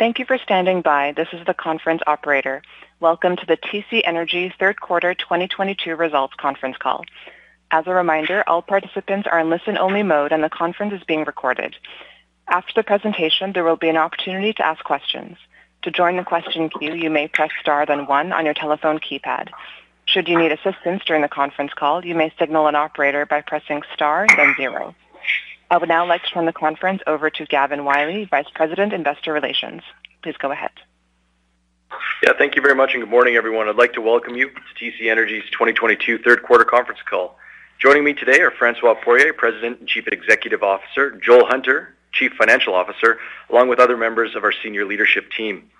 Thank you for standing by. This is the conference operator. Welcome to the TC Energy Third Quarter 2022 Results Conference Call. As a reminder, all participants are in listen-only mode, and the conference is being recorded. After the presentation, there will be an opportunity to ask questions. To join the question queue, you may press star then one on your telephone keypad. Should you need assistance during the conference call, you may signal an operator by pressing star then zero. I would now like to turn the conference over to Gavin Wylie, Vice President, Investor Relations. Please go ahead. Thank you very much, and good morning, everyone. I'd like to welcome you to TC Energy's 2022 third quarter conference call. Joining me today are François Poirier, President and Chief Executive Officer, Joel Hunter, Chief Financial Officer, along with other members of our senior leadership team.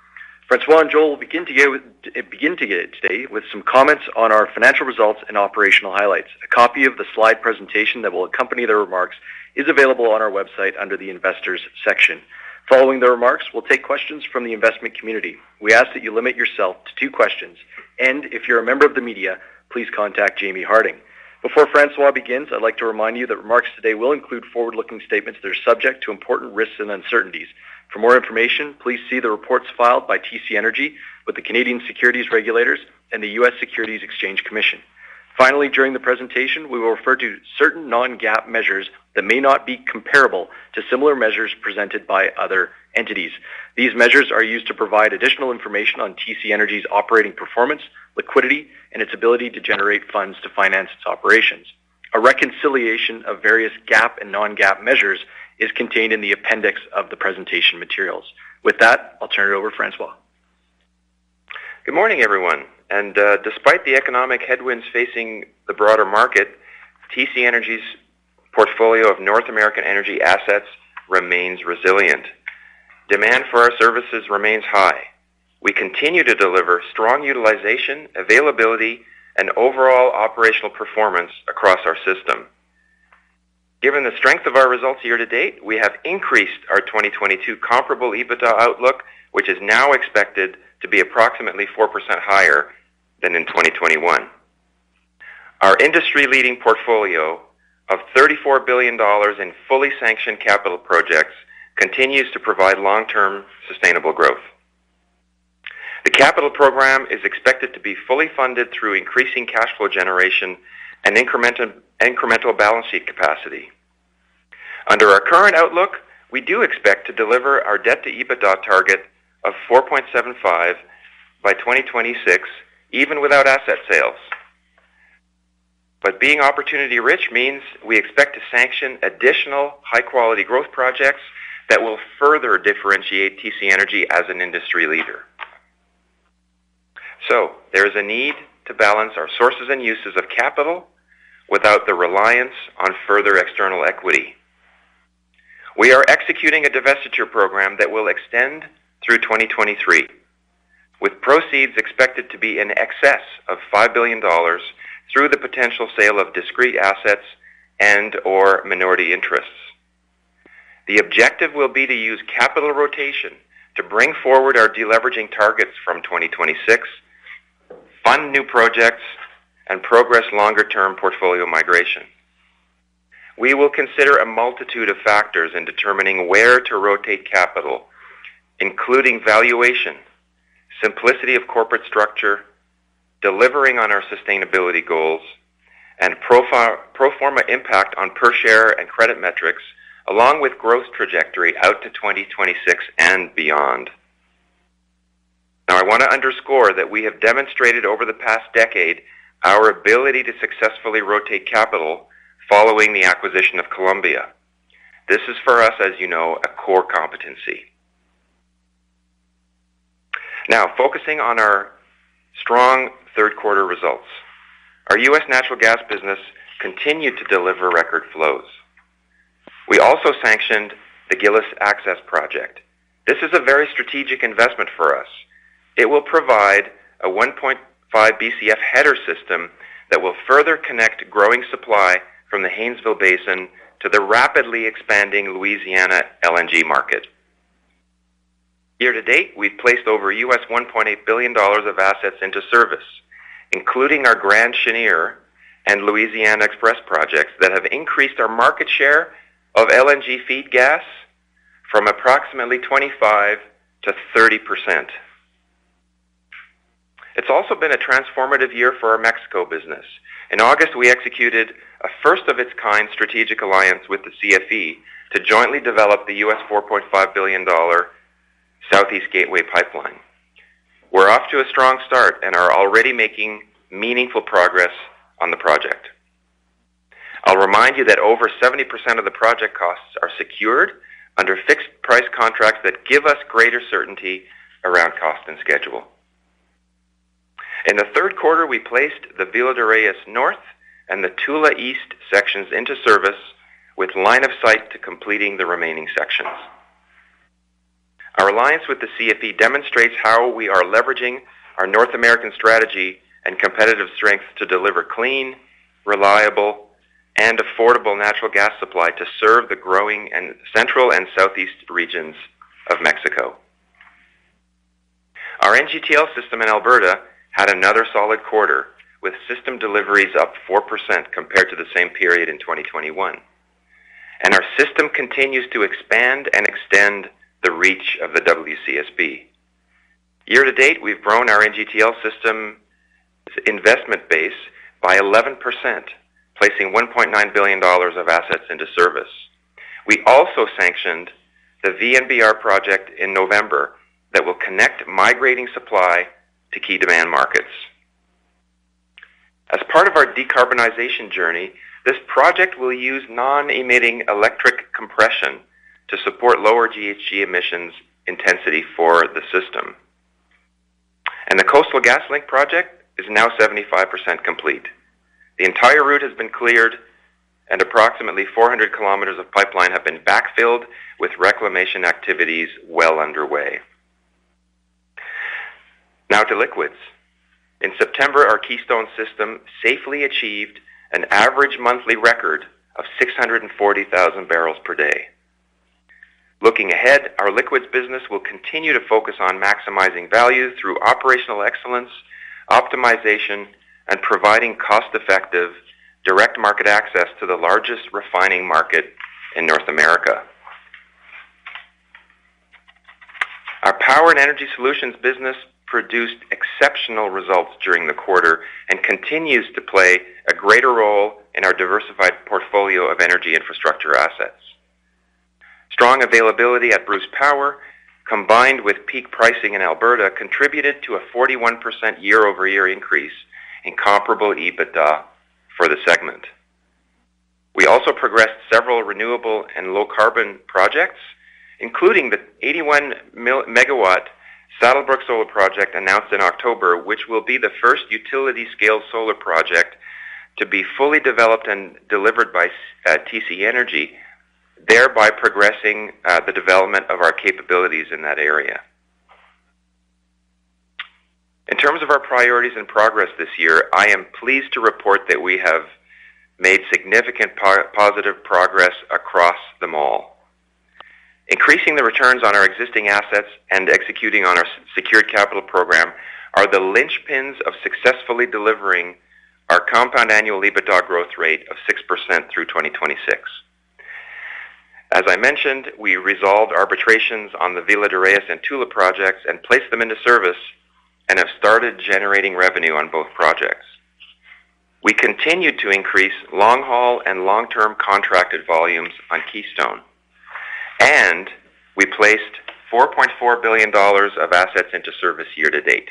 François and Joel will begin today with some comments on our financial results and operational highlights. A copy of the slide presentation that will accompany their remarks is available on our website under the Investors section. Following the remarks, we'll take questions from the investment community. We ask that you limit yourself to two questions, and if you're a member of the media, please contact Jaimie Harding. Before François begins, I'd like to remind you that remarks today will include forward-looking statements that are subject to important risks and uncertainties. For more information, please see the reports filed by TC Energy with the Canadian Securities Administrators and the U.S. Securities and Exchange Commission. Finally, during the presentation, we will refer to certain non-GAAP measures that may not be comparable to similar measures presented by other entities. These measures are used to provide additional information on TC Energy's operating performance, liquidity, and its ability to generate funds to finance its operations. A reconciliation of various GAAP and non-GAAP measures is contained in the appendix of the presentation materials. With that, I'll turn it over to François. Good morning, everyone. Despite the economic headwinds facing the broader market, TC Energy's portfolio of North American energy assets remains resilient. Demand for our services remains high. We continue to deliver strong utilization, availability, and overall operational performance across our system. Given the strength of our results year to date, we have increased our 2022 comparable EBITDA outlook, which is now expected to be approximately 4% higher than in 2021. Our industry-leading portfolio of 34 billion dollars in fully sanctioned capital projects continues to provide long-term sustainable growth. The capital program is expected to be fully funded through increasing cash flow generation and incremental balance sheet capacity. Under our current outlook, we do expect to deliver our debt to EBITDA target of 4.75 by 2026, even without asset sales. Being opportunity-rich means we expect to sanction additional high-quality growth projects that will further differentiate TC Energy as an industry leader. There is a need to balance our sources and uses of capital without the reliance on further external equity. We are executing a divestiture program that will extend through 2023, with proceeds expected to be in excess of 5 billion dollars through the potential sale of discrete assets and/or minority interests. The objective will be to use capital rotation to bring forward our de-leveraging targets from 2026, fund new projects, and progress longer-term portfolio migration. We will consider a multitude of factors in determining where to rotate capital, including valuation, simplicity of corporate structure, delivering on our sustainability goals, and pro forma impact on per share and credit metrics, along with growth trajectory out to 2026 and beyond. Now, I wanna underscore that we have demonstrated over the past decade our ability to successfully rotate capital following the acquisition of Columbia. This is for us, as you know, a core competency. Now, focusing on our strong third quarter results. Our U.S. natural gas business continued to deliver record flows. We also sanctioned the Gillis Access project. This is a very strategic investment for us. It will provide a 1.5 BCF header system that will further connect growing supply from the Haynesville Basin to the rapidly expanding Louisiana LNG market. Year to date, we've placed over $1.8 billion of assets into service, including our Grand Chenier and Louisiana XPress projects that have increased our market share of LNG feed gas from approximately 25%-30%. It's also been a transformative year for our Mexico business. In August, we executed a first-of-its-kind strategic alliance with the CFE to jointly develop the $4.5 billion Southeast Gateway pipeline. We're off to a strong start and are already making meaningful progress on the project. I'll remind you that over 70% of the project costs are secured under fixed-price contracts that give us greater certainty around cost and schedule. In the third quarter, we placed the Villa de Reyes North and the Tula East sections into service with line of sight to completing the remaining sections. Our alliance with the CFE demonstrates how we are leveraging our North American strategy and competitive strength to deliver clean, reliable, and affordable natural gas supply to serve the growing, central, and southeast regions of Mexico. Our NGTL system in Alberta had another solid quarter with system deliveries up 4% compared to the same period in 2021. Our system continues to expand and extend the reach of the WCSB. Year to date, we've grown our NGTL system investment base by 11%, placing 1.9 billion dollars of assets into service. We also sanctioned the VNBR project in November that will connect migrating supply to key demand markets. As part of our decarbonization journey, this project will use non-emitting electric compression to support lower GHG emissions intensity for the system. The Coastal GasLink project is now 75% complete. The entire route has been cleared and approximately 400 km of pipeline have been backfilled with reclamation activities well underway. Now to liquids. In September, our Keystone system safely achieved an average monthly record of 640,000 barrels per day. Looking ahead, our liquids business will continue to focus on maximizing value through operational excellence, optimization, and providing cost-effective direct market access to the largest refining market in North America. Our Power and Energy Solutions business produced exceptional results during the quarter and continues to play a greater role in our diversified portfolio of energy infrastructure assets. Strong availability at Bruce Power, combined with peak pricing in Alberta, contributed to a 41% year-over-year increase in comparable EBITDA for the segment. We also progressed several renewable and low carbon projects, including the 81-megawatt Saddlebrook Solar Project announced in October, which will be the first utility-scale solar project to be fully developed and delivered by TC Energy, thereby progressing the development of our capabilities in that area. In terms of our priorities and progress this year, I am pleased to report that we have made significant positive progress across them all. Increasing the returns on our existing assets and executing on our secured capital program are the linchpins of successfully delivering our compound annual EBITDA growth rate of 6% through 2026. As I mentioned, we resolved arbitrations on the Villa de Reyes and Tula projects and placed them into service and have started generating revenue on both projects. We continued to increase long-haul and long-term contracted volumes on Keystone, and we placed 4.4 billion dollars of assets into service year to date.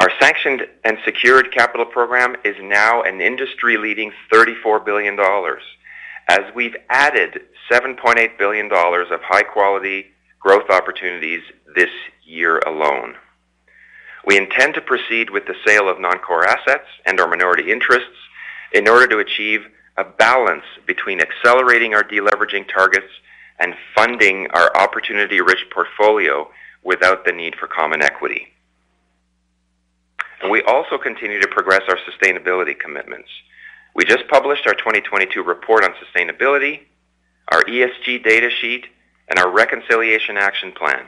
Our sanctioned and secured capital program is now an industry-leading 34 billion dollars as we've added 7.8 billion dollars of high-quality growth opportunities this year alone. We intend to proceed with the sale of non-core assets and our minority interests in order to achieve a balance between accelerating our de-leveraging targets and funding our opportunity-rich portfolio without the need for common equity. We also continue to progress our sustainability commitments. We just published our 2022 report on sustainability, our ESG data sheet, and our reconciliation action plan.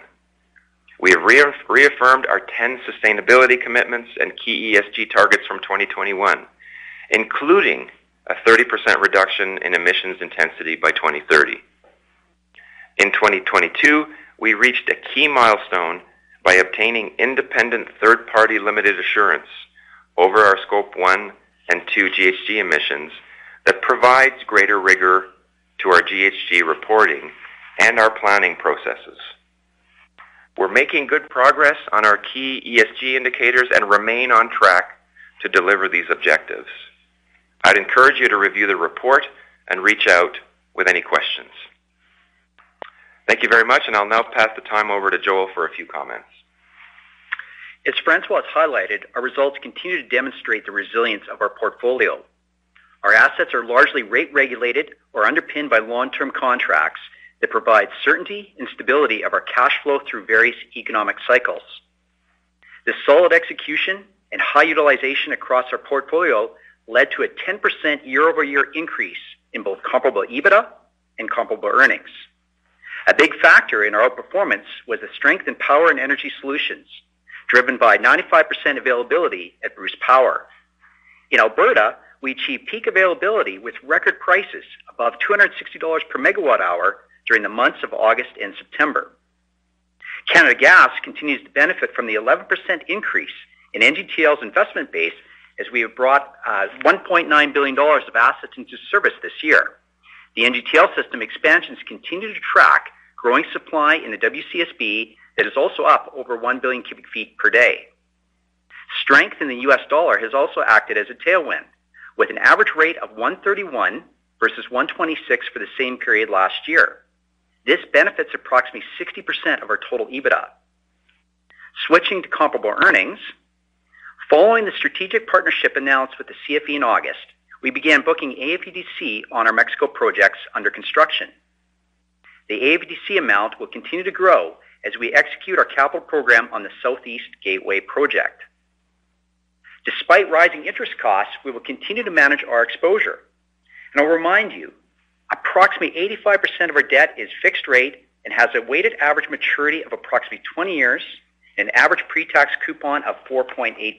We have reaffirmed our ten sustainability commitments and key ESG targets from 2021, including a 30% reduction in emissions intensity by 2030. In 2022, we reached a key milestone by obtaining independent third-party limited assurance over our Scope one and two GHG emissions that provides greater rigor to our GHG reporting and our planning processes. We're making good progress on our key ESG indicators and remain on track to deliver these objectives. I'd encourage you to review the report and reach out with any questions. Thank you very much, and I'll now pass the time over to Joel for a few comments. As François highlighted, our results continue to demonstrate the resilience of our portfolio. Our assets are largely rate-regulated or underpinned by long-term contracts that provide certainty and stability of our cash flow through various economic cycles. The solid execution and high utilization across our portfolio led to a 10% year-over-year increase in both comparable EBITDA and comparable earnings. A big factor in our performance was the strength in Power and Energy Solutions, driven by 95% availability at Bruce Power. In Alberta, we achieved peak availability with record prices above 260 dollars per megawatt hour during the months of August and September. Canada Gas continues to benefit from the 11% increase in NGTL's investment base as we have brought 1.9 billion dollars of assets into service this year. The NGTL system expansions continue to track growing supply in the WCSB that is also up over 1 billion cubic feet per day. Strength in the U.S. dollar has also acted as a tailwind, with an average rate of 1.31 versus 1.26 for the same period last year. This benefits approximately 60% of our total EBITDA. Switching to comparable earnings. Following the strategic partnership announced with the CFE in August, we began booking AFDC on our Mexico projects under construction. The AFDC amount will continue to grow as we execute our capital program on the Southeast Gateway project. Despite rising interest costs, we will continue to manage our exposure. I'll remind you, approximately 85% of our debt is fixed rate and has a weighted average maturity of approximately 20 years and average pretax coupon of 4.8%.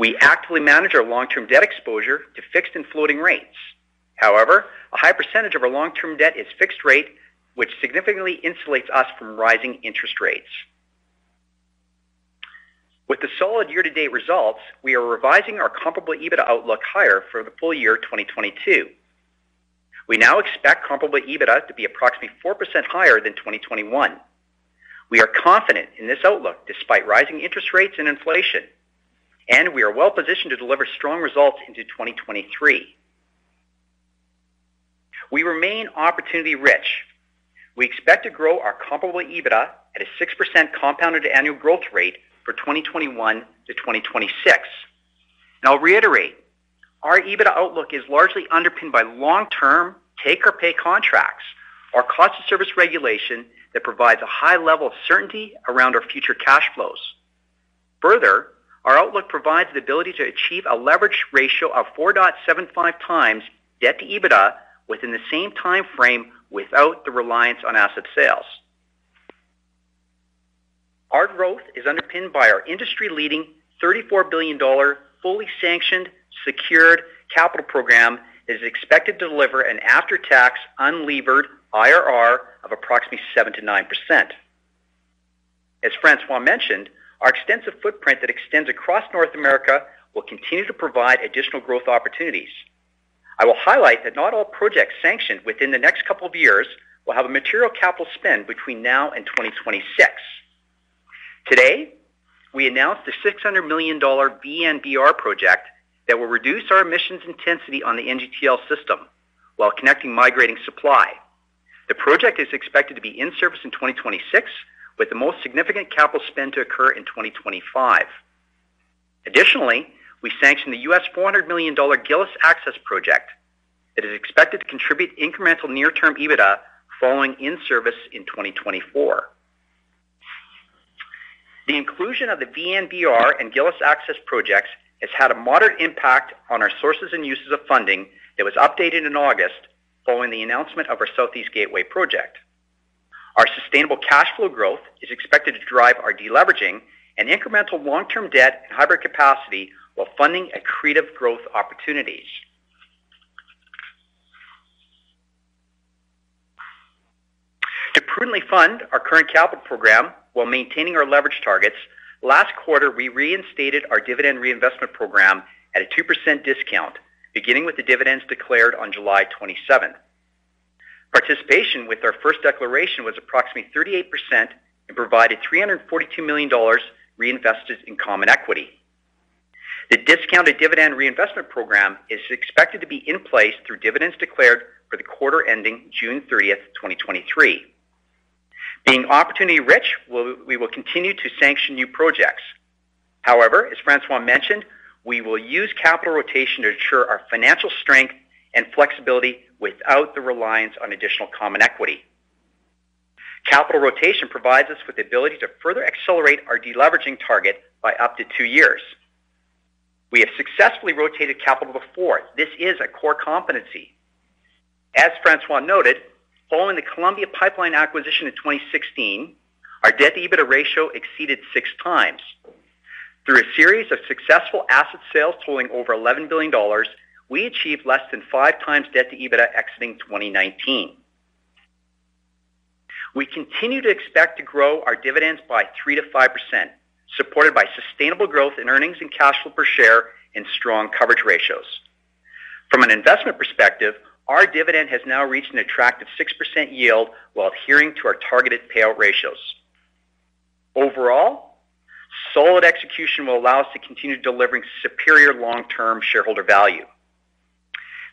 We actively manage our long-term debt exposure to fixed and floating rates. However, a high percentage of our long-term debt is fixed rate, which significantly insulates us from rising interest rates. With the solid year-to-date results, we are revising our comparable EBITDA outlook higher for the full year 2022. We now expect comparable EBITDA to be approximately 4% higher than 2021. We are confident in this outlook despite rising interest rates and inflation, and we are well-positioned to deliver strong results into 2023. We remain opportunity-rich. We expect to grow our comparable EBITDA at a 6% compounded annual growth rate for 2021 to 2026. I'll reiterate, our EBITDA outlook is largely underpinned by long-term take-or-pay contracts, our cost of service regulation that provides a high level of certainty around our future cash flows. Further, our outlook provides the ability to achieve a leverage ratio of 4.75x debt to EBITDA within the same timeframe without the reliance on asset sales. Our growth is underpinned by our industry-leading 34 billion dollar fully sanctioned secured capital program that is expected to deliver an after-tax unlevered IRR of approximately 7%-9%. As François mentioned, our extensive footprint that extends across North America will continue to provide additional growth opportunities. I will highlight that not all projects sanctioned within the next couple of years will have a material capital spend between now and 2026. Today, we announced a 600 million dollar VNBR project that will reduce our emissions intensity on the NGTL system while connecting migrating supply. The project is expected to be in service in 2026, with the most significant capital spend to occur in 2025. Additionally, we sanctioned the $400 million Gillis Access Project that is expected to contribute incremental near-term EBITDA following in-service in 2024. The inclusion of the VNBR and Gillis Access Projects has had a moderate impact on our sources and uses of funding that was updated in August following the announcement of our Southeast Gateway pipeline. Our sustainable cash flow growth is expected to drive our deleveraging and incremental long-term debt and hybrid capacity while funding accretive growth opportunities. To prudently fund our current capital program while maintaining our leverage targets, last quarter, we reinstated our dividend reinvestment program at a 2% discount, beginning with the dividends declared on July 27. Participation with our first declaration was approximately 38% and provided 342 million dollars reinvested in common equity. The discounted dividend reinvestment program is expected to be in place through dividends declared for the quarter ending June 30, 2023. Being opportunity-rich, we will continue to sanction new projects. However, as François mentioned, we will use capital rotation to ensure our financial strength and flexibility without the reliance on additional common equity. Capital rotation provides us with the ability to further accelerate our deleveraging target by up to two years. We have successfully rotated capital before. This is a core competency. As François noted, following the Columbia Pipeline Group acquisition in 2016, our debt-to-EBITDA ratio exceeded 6x. Through a series of successful asset sales totaling over 11 billion dollars, we achieved less than 5x debt-to-EBITDA exiting 2019. We continue to expect to grow our dividends by 3%-5%, supported by sustainable growth in earnings and cash flow per share and strong coverage ratios. From an investment perspective, our dividend has now reached an attractive 6% yield while adhering to our targeted payout ratios. Overall, solid execution will allow us to continue delivering superior long-term shareholder value.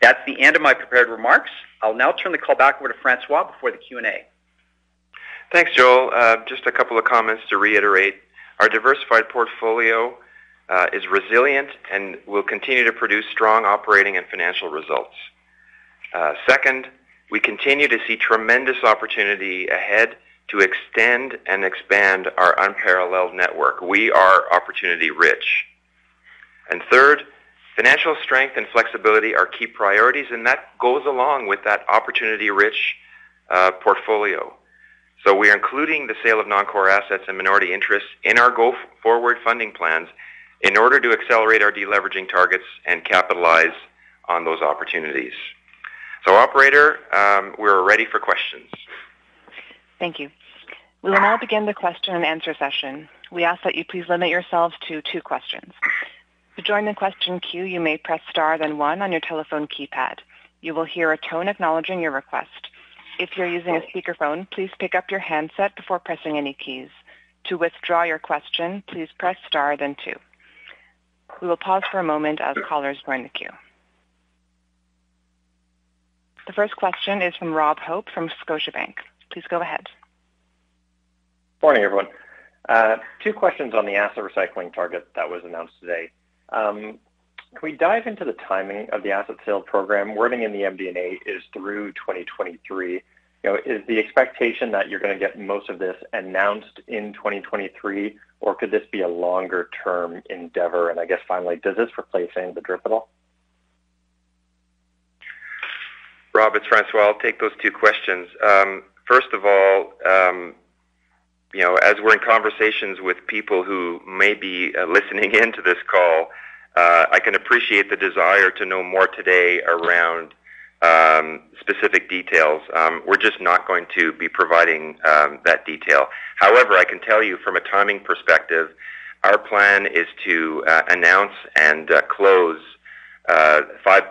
That's the end of my prepared remarks. I'll now turn the call back over to François before the Q&A. Thanks, Joel. Just a couple of comments to reiterate. Our diversified portfolio is resilient and will continue to produce strong operating and financial results. Second, we continue to see tremendous opportunity ahead to extend and expand our unparalleled network. We are opportunity-rich. Third, financial strength and flexibility are key priorities, and that goes along with that opportunity-rich portfolio. We are including the sale of non-core assets and minority interests in our go-forward funding plans in order to accelerate our deleveraging targets and capitalize on those opportunities. Operator, we're ready for questions. Thank you. We will now begin the question-and-answer session. We ask that you please limit yourselves to two questions. To join the question queue, you may press star then one on your telephone keypad. You will hear a tone acknowledging your request. If you're using a speakerphone, please pick up your handset before pressing any keys. To withdraw your question, please press star then two. We will pause for a moment as callers join the queue. The first question is from Robert Hope from Scotiabank. Please go ahead. Morning, everyone. Two questions on the asset recycling target that was announced today. Can we dive into the timing of the asset sales program? Wording in the MD&A is through 2023. You know, is the expectation that you're gonna get most of this announced in 2023 or could this be a longer-term endeavor? I guess finally, does this replace saying the DRIP at all? Rob, it's François. I'll take those two questions. First of all, you know, as we're in conversations with people who may be listening in to this call, I can appreciate the desire to know more today around specific details. We're just not going to be providing that detail. However, I can tell you from a timing perspective, our plan is to announce and close 5+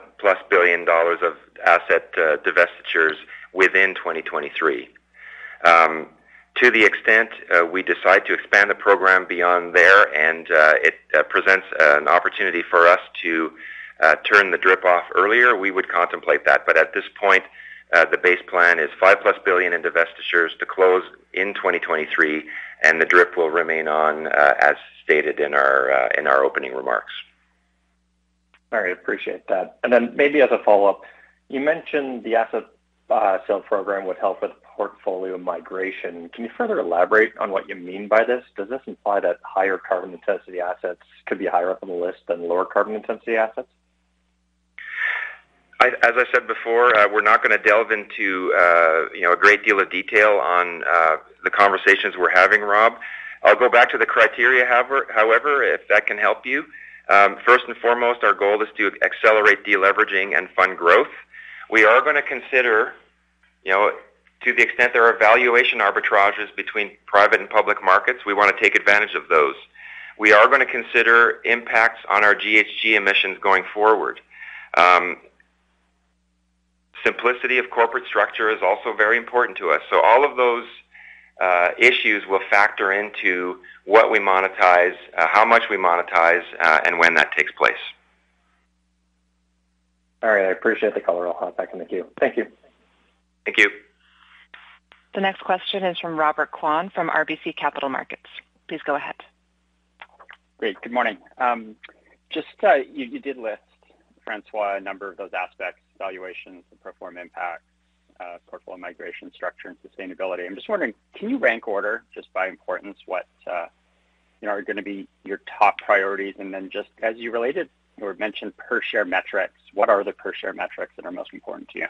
billion dollars of asset divestitures within 2023. To the extent we decide to expand the program beyond there and it presents an opportunity for us to turn the DRIP off earlier, we would contemplate that. At this point, the base plan is 5+ billion in divestitures to close in 2023, and the DRIP will remain on, as stated in our opening remarks. All right, appreciate that. Then maybe as a follow-up, you mentioned the asset sales program would help with portfolio migration. Can you further elaborate on what you mean by this? Does this imply that higher carbon intensity assets could be higher up on the list than lower carbon intensity assets? As I said before, we're not gonna delve into you know, a great deal of detail on the conversations we're having, Rob. I'll go back to the criteria, however, if that can help you. First and foremost, our goal is to accelerate de-leveraging and fund growth. We are gonna consider, you know, to the extent there are valuation arbitrages between private and public markets, we wanna take advantage of those. We are gonna consider impacts on our GHG emissions going forward. Simplicity of corporate structure is also very important to us. All of those issues will factor into what we monetize, how much we monetize, and when that takes place. All right. I appreciate the color. I'll come back in the queue. Thank you. Thank you. The next question is from Robert Kwan from RBC Capital Markets. Please go ahead. Great. Good morning. Just, you did list, François, a number of those aspects, valuations, pro forma impact, portfolio migration structure, and sustainability. I'm just wondering, can you rank order just by importance what, you know, are gonna be your top priorities? Just as you related or mentioned per share metrics, what are the per share metrics that are most important to you?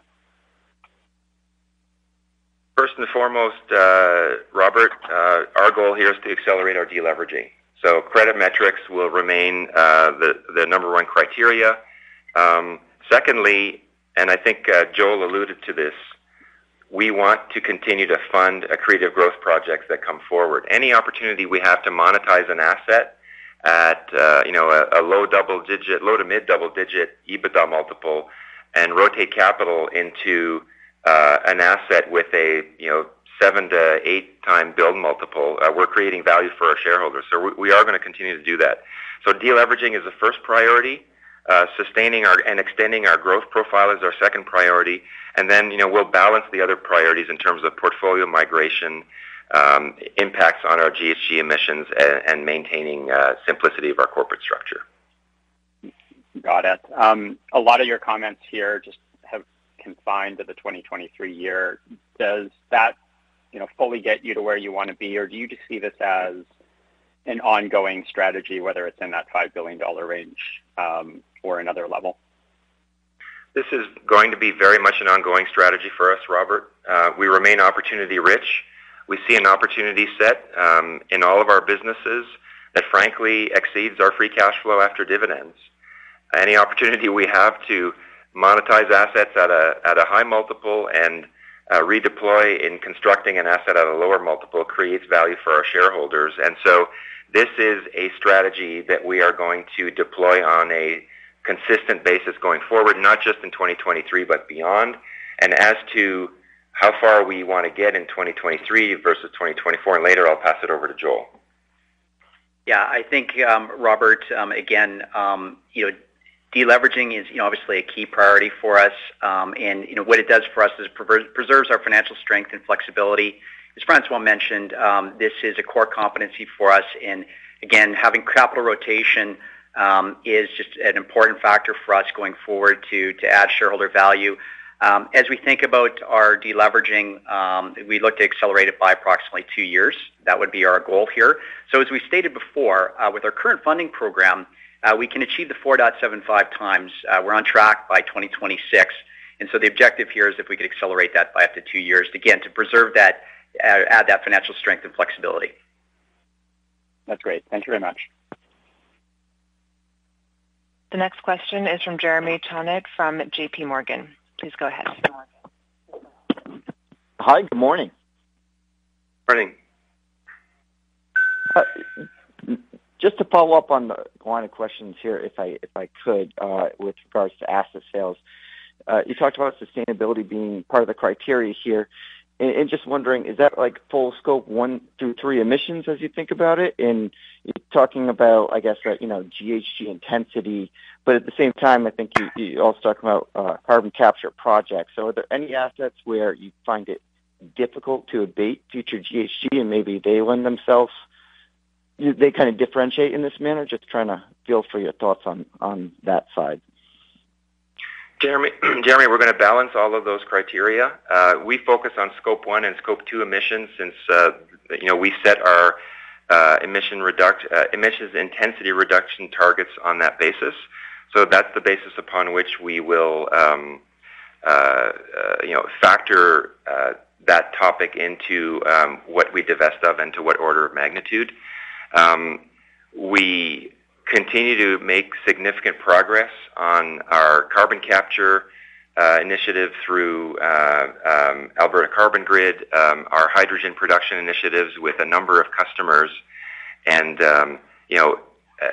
First and foremost, Robert, our goal here is to accelerate our de-leveraging. Credit metrics will remain the number one criteria. Secondly, I think Joel alluded to this, we want to continue to fund accretive growth projects that come forward. Any opportunity we have to monetize an asset at, you know, a low- to mid-double-digit EBITDA multiple and rotate capital into an asset with a, you know, 7-8x build multiple, we're creating value for our shareholders. We are gonna continue to do that. De-leveraging is the first priority. Sustaining and extending our growth profile is our second priority. You know, we'll balance the other priorities in terms of portfolio migration, impacts on our GHG emissions, and maintaining simplicity of our corporate structure. Got it. A lot of your comments here just been confined to the 2023 year. Does that, you know, fully get you to where you wanna be? Or do you just see this as an ongoing strategy, whether it's in that 5 billion dollar range, or another level? This is going to be very much an ongoing strategy for us, Robert. We remain opportunity rich. We see an opportunity set in all of our businesses that frankly exceeds our free cash flow after dividends. Any opportunity we have to monetize assets at a high multiple and redeploy in constructing an asset at a lower multiple creates value for our shareholders. This is a strategy that we are going to deploy on a consistent basis going forward, not just in 2023, but beyond. As to how far we wanna get in 2023 versus 2024 and later, I'll pass it over to Joel. Yeah. I think, Robert, again, you know, deleveraging is, you know, obviously a key priority for us. You know, what it does for us is preserves our financial strength and flexibility. As François mentioned, this is a core competency for us. Again, having capital rotation is just an important factor for us going forward to add shareholder value. As we think about our deleveraging, we look to accelerate it by approximately two years. That would be our goal here. As we stated before, with our current funding program, we can achieve the 4.75x. We're on track by 2026. The objective here is if we could accelerate that by up to two years, again, to preserve that, add that financial strength and flexibility. That's great. Thank you very much. The next question is from Jeremy Tonet from JPMorgan. Please go ahead. Hi. Good morning. Morning. Just to follow up on the line of questions here, if I could, with regards to asset sales. You talked about sustainability being part of the criteria here. Just wondering, is that like full Scope one through three emissions as you think about it? You're talking about, I guess, right, you know, GHG intensity, but at the same time, I think you also talked about carbon capture projects. Are there any assets where you find it difficult to abate future GHG and maybe they lend themselves. Do they kind of differentiate in this manner? Just trying to feel for your thoughts on that side. Jeremy, we're going to balance all of those criteria. We focus on Scope 1 and Scope 2 emissions since, you know, we set our emissions intensity reduction targets on that basis. That's the basis upon which we will, you know, factor that topic into what we divest of into what order of magnitude. We continue to make significant progress on our carbon capture initiative through Alberta Carbon Grid, our hydrogen production initiatives with a number of customers. You know,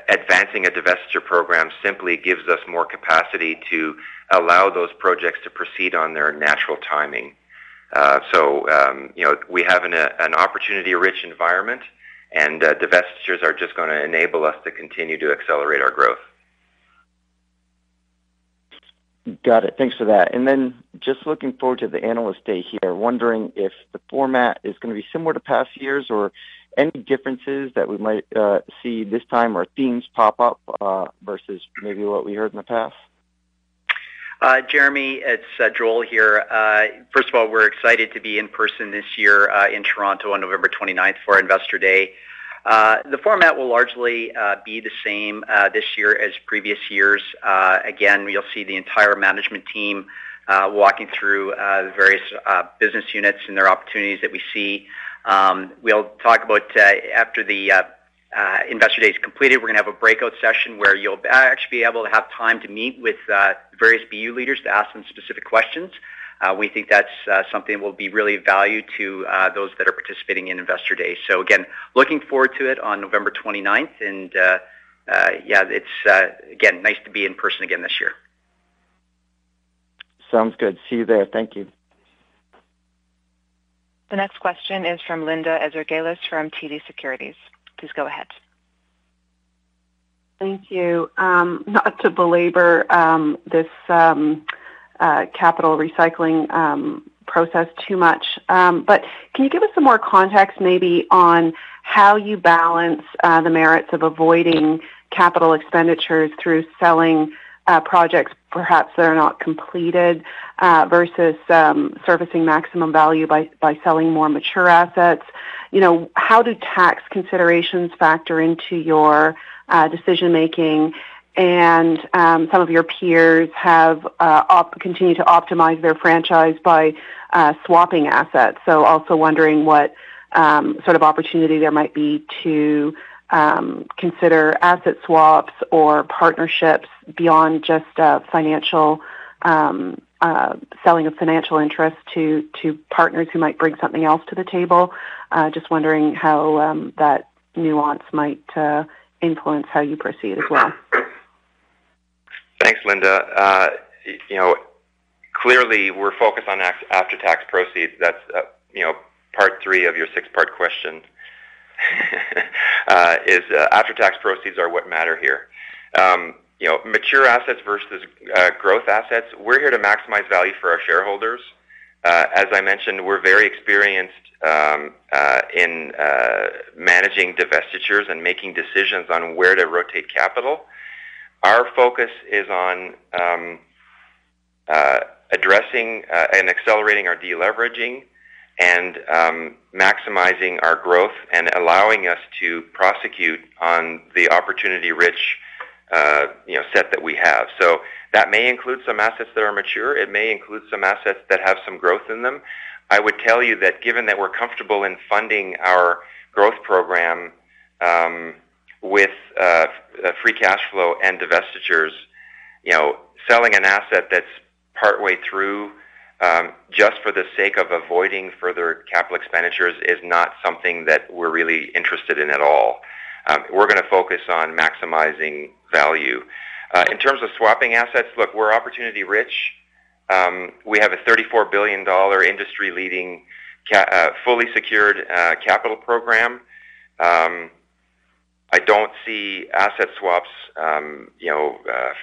advancing a divestiture program simply gives us more capacity to allow those projects to proceed on their natural timing. You know, we have an opportunity-rich environment, and divestitures are just going to enable us to continue to accelerate our growth. Got it. Thanks for that. Just looking forward to the Analyst Day here, wondering if the format is going to be similar to past years or any differences that we might see this time or themes pop up versus maybe what we heard in the past. Jeremy, it's Joel here. First of all, we're excited to be in person this year in Toronto on November twenty-ninth for Investor Day. The format will largely be the same this year as previous years. Again, you'll see the entire management team walking through the various business units and their opportunities that we see. We'll talk about after the Investor Day is completed, we're going to have a breakout session where you'll actually be able to have time to meet with various BU leaders to ask them specific questions. We think that's something will be really valued to those that are participating in Investor Day. Again, looking forward to it on November twenty-ninth. Yeah, it's again nice to be in person again this year. Sounds good. See you there. Thank you. The next question is from Linda Ezergailis from TD Securities. Please go ahead. Thank you. Not to belabor this capital recycling process too much. Can you give us some more context maybe on how you balance the merits of avoiding capital expenditures through selling projects perhaps that are not completed versus servicing maximum value by selling more mature assets? You know, how do tax considerations factor into your decision-making? Some of your peers have continued to optimize their franchise by swapping assets. Also wondering what sort of opportunity there might be to consider asset swaps or partnerships beyond just a financial selling of financial interest to partners who might bring something else to the table. Just wondering how that nuance might influence how you proceed as well. Thanks, Linda. You know, clearly we're focused on after-tax proceeds. That's, you know, part three of your six-part question. Is after-tax proceeds are what matter here. You know, mature assets versus, growth assets, we're here to maximize value for our shareholders. As I mentioned, we're very experienced, in, managing divestitures and making decisions on where to rotate capital. Our focus is on, addressing, and accelerating our deleveraging and, maximizing our growth and allowing us to prosecute on the opportunity-rich, you know, set that we have. That may include some assets that are mature. It may include some assets that have some growth in them. I would tell you that given that we're comfortable in funding our growth program with free cash flow and divestitures, you know, selling an asset that's partway through just for the sake of avoiding further capital expenditures is not something that we're really interested in at all. We're going to focus on maximizing value. In terms of swapping assets, look, we're opportunity rich. We have a 34 billion dollar industry-leading fully secured capital program. I don't see asset swaps, you know,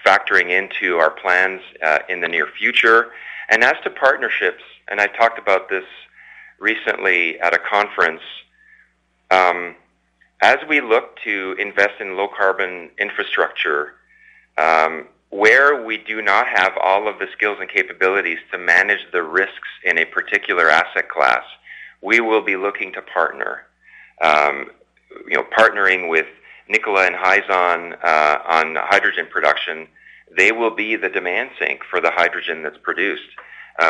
factoring into our plans in the near future. As to partnerships, and I talked about this recently at a conference, as we look to invest in low-carbon infrastructure, where we do not have all of the skills and capabilities to manage the risks in a particular asset class, we will be looking to partner. You know, partnering with Nikola and Hyzon on hydrogen production, they will be the demand sink for the hydrogen that's produced.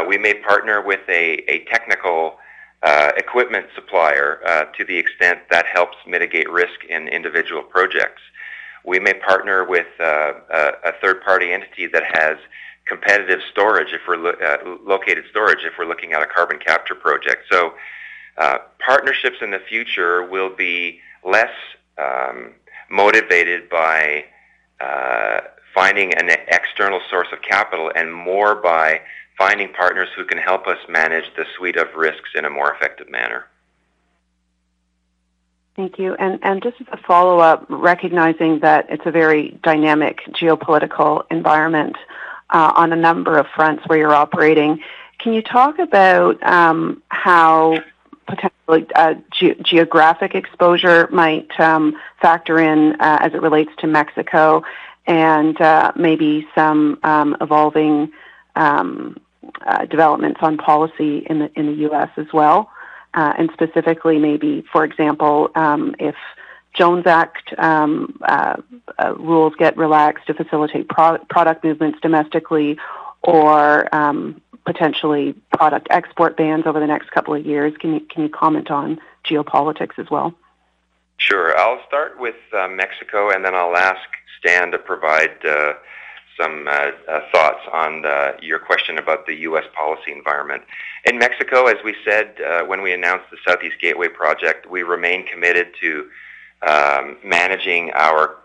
We may partner with a technical equipment supplier to the extent that helps mitigate risk in individual projects. We may partner with a third-party entity that has complementary storage if we're looking at local storage, if we're looking at a carbon capture project. Partnerships in the future will be less motivated by finding an external source of capital and more by finding partners who can help us manage the suite of risks in a more effective manner. Thank you. Just as a follow-up, recognizing that it's a very dynamic geopolitical environment on a number of fronts where you're operating, can you talk about how potentially geographic exposure might factor in as it relates to Mexico and maybe some evolving developments on policy in the U.S. as well? Specifically, for example, if Jones Act rules get relaxed to facilitate propane product movements domestically or potentially product export bans over the next couple of years. Can you comment on geopolitics as well? Sure. I'll start with Mexico, and then I'll ask Stan to provide some thoughts on your question about the U.S. policy environment. In Mexico, as we said, when we announced the Southeast Gateway project, we remain committed to managing our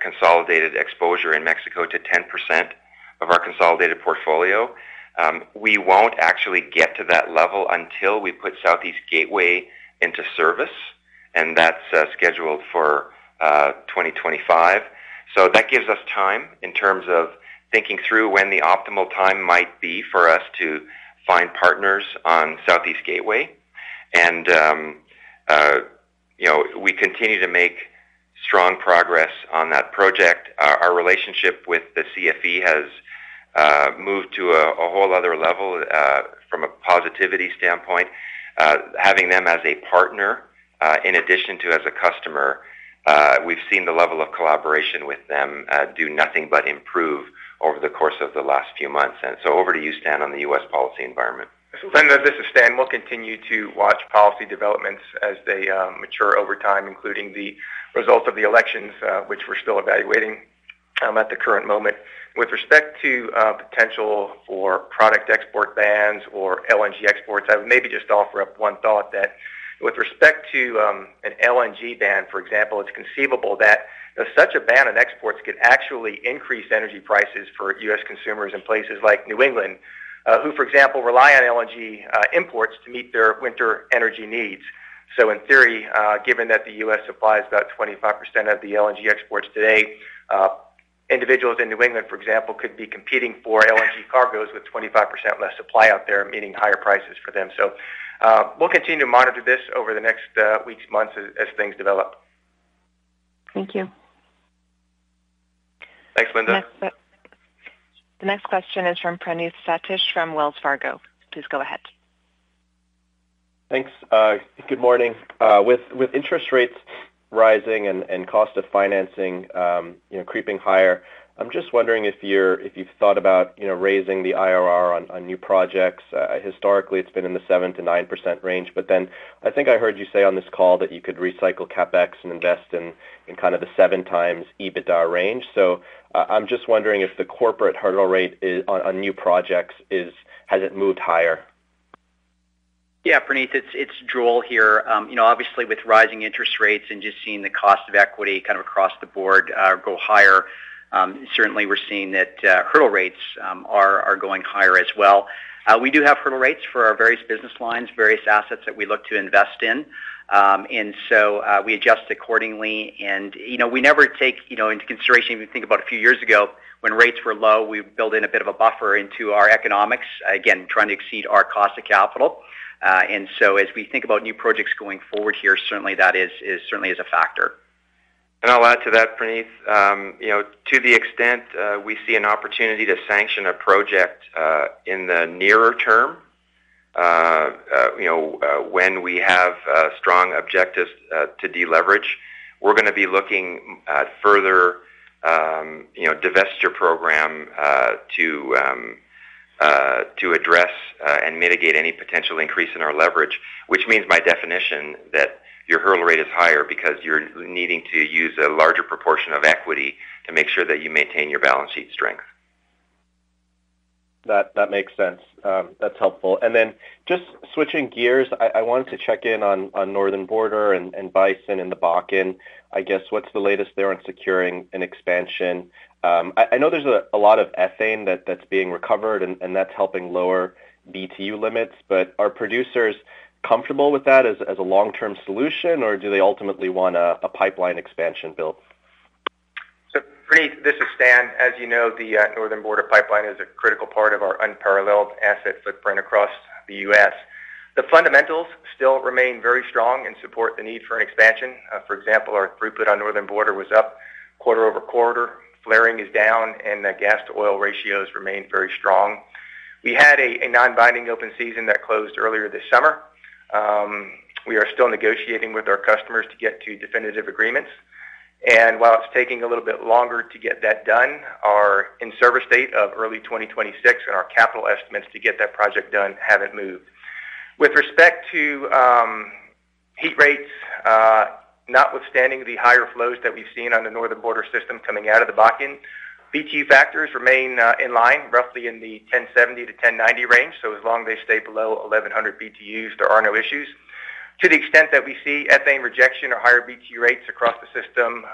consolidated exposure in Mexico to 10% of our consolidated portfolio. We won't actually get to that level until we put Southeast Gateway into service, and that's scheduled for 2025. That gives us time in terms of thinking through when the optimal time might be for us to find partners on Southeast Gateway. You know, we continue to make strong progress on that project. Our relationship with the CFE has moved to a whole other level from a positivity standpoint. Having them as a partner, in addition to as a customer, we've seen the level of collaboration with them, do nothing but improve over the course of the last few months. Over to you, Stan, on the U.S. policy environment. Linda, this is Stan. We'll continue to watch policy developments as they mature over time, including the results of the elections, which we're still evaluating at the current moment. With respect to potential for product export bans or LNG exports, I would maybe just offer up one thought that with respect to an LNG ban, for example, it's conceivable that such a ban on exports could actually increase energy prices for U.S. consumers in places like New England, who, for example, rely on LNG imports to meet their winter energy needs. In theory, given that the U.S. supplies about 25% of the LNG exports today, individuals in New England, for example, could be competing for LNG cargos with 25% less supply out there, meaning higher prices for them. We'll continue to monitor this over the next weeks, months as things develop. Thank you. Thanks, Linda. The next question is from Praneeth Satish from Wells Fargo. Please go ahead. Thanks. Good morning. With interest rates rising and cost of financing, you know, creeping higher, I'm just wondering if you've thought about, you know, raising the IRR on new projects. Historically, it's been in the 7%-9% range, but then I think I heard you say on this call that you could recycle CapEx and invest in kind of the 7x EBITDA range. I'm just wondering if the corporate hurdle rate on new projects has moved higher? Yeah, Praneeth, it's Joel here. You know, obviously with rising interest rates and just seeing the cost of equity kind of across the board, go higher, certainly we're seeing that, hurdle rates are going higher as well. We do have hurdle rates for our various business lines, various assets that we look to invest in. We adjust accordingly. You know, we never take into consideration, we think about a few years ago when rates were low, we built in a bit of a buffer into our economics, again, trying to exceed our cost of capital. As we think about new projects going forward here, certainly that is certainly a factor. I'll add to that, Praneeth. You know, to the extent we see an opportunity to sanction a project in the nearer term, you know, when we have strong objectives to deleverage, we're gonna be looking at further, you know, divestiture program to address and mitigate any potential increase in our leverage, which means by definition that your hurdle rate is higher because you're needing to use a larger proportion of equity to make sure that you maintain your balance sheet strength. That makes sense. That's helpful. Then just switching gears, I wanted to check in on Northern Border and Bison and the Bakken. I guess, what's the latest there on securing an expansion? I know there's a lot of ethane that's being recovered and that's helping lower BTU limits. But are producers comfortable with that as a long-term solution, or do they ultimately want a pipeline expansion built? Praneeth, this is Stan. As you know, the Northern Border Pipeline is a critical part of our unparalleled asset footprint across the U.S. The fundamentals still remain very strong and support the need for an expansion. For example, our throughput on Northern Border was up quarter over quarter. Flaring is down, and the gas to oil ratios remain very strong. We had a non-binding open season that closed earlier this summer. We are still negotiating with our customers to get to definitive agreements. While it's taking a little bit longer to get that done, our in-service date of early 2026 and our capital estimates to get that project done haven't moved. With respect to heat rates, notwithstanding the higher flows that we've seen on the Northern Border system coming out of the Bakken, BTU factors remain in line roughly in the 1,070-1,090 range. As long as they stay below 1,100 BTUs, there are no issues. To the extent that we see ethane rejection or higher BTU rates across the system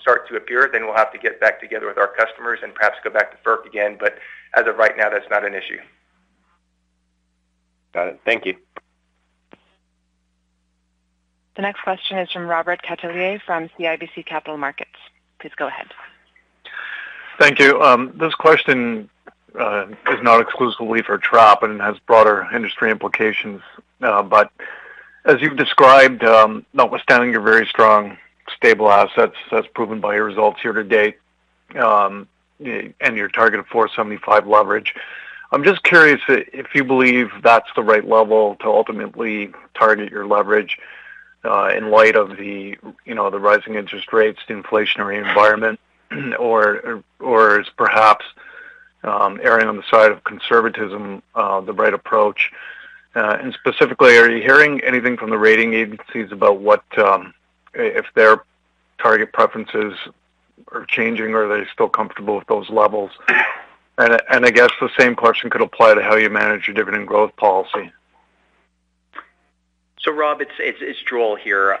start to appear, then we'll have to get back together with our customers and perhaps go back to FERC again. As of right now, that's not an issue. Got it. Thank you. The next question is from Robert Catellier from CIBC Capital Markets. Please go ahead. Thank you. This question is not exclusively for François and has broader industry implications. As you've described, notwithstanding your very strong stable assets as proven by your results here to date, and your target of 4.75 leverage, I'm just curious if you believe that's the right level to ultimately target your leverage, in light of the, you know, the rising interest rates, the inflationary environment, or is perhaps erring on the side of conservatism the right approach? Specifically, are you hearing anything from the rating agencies about what if their target preferences are changing, or are they still comfortable with those levels? I guess the same question could apply to how you manage your dividend growth policy. Rob, it's Joel here.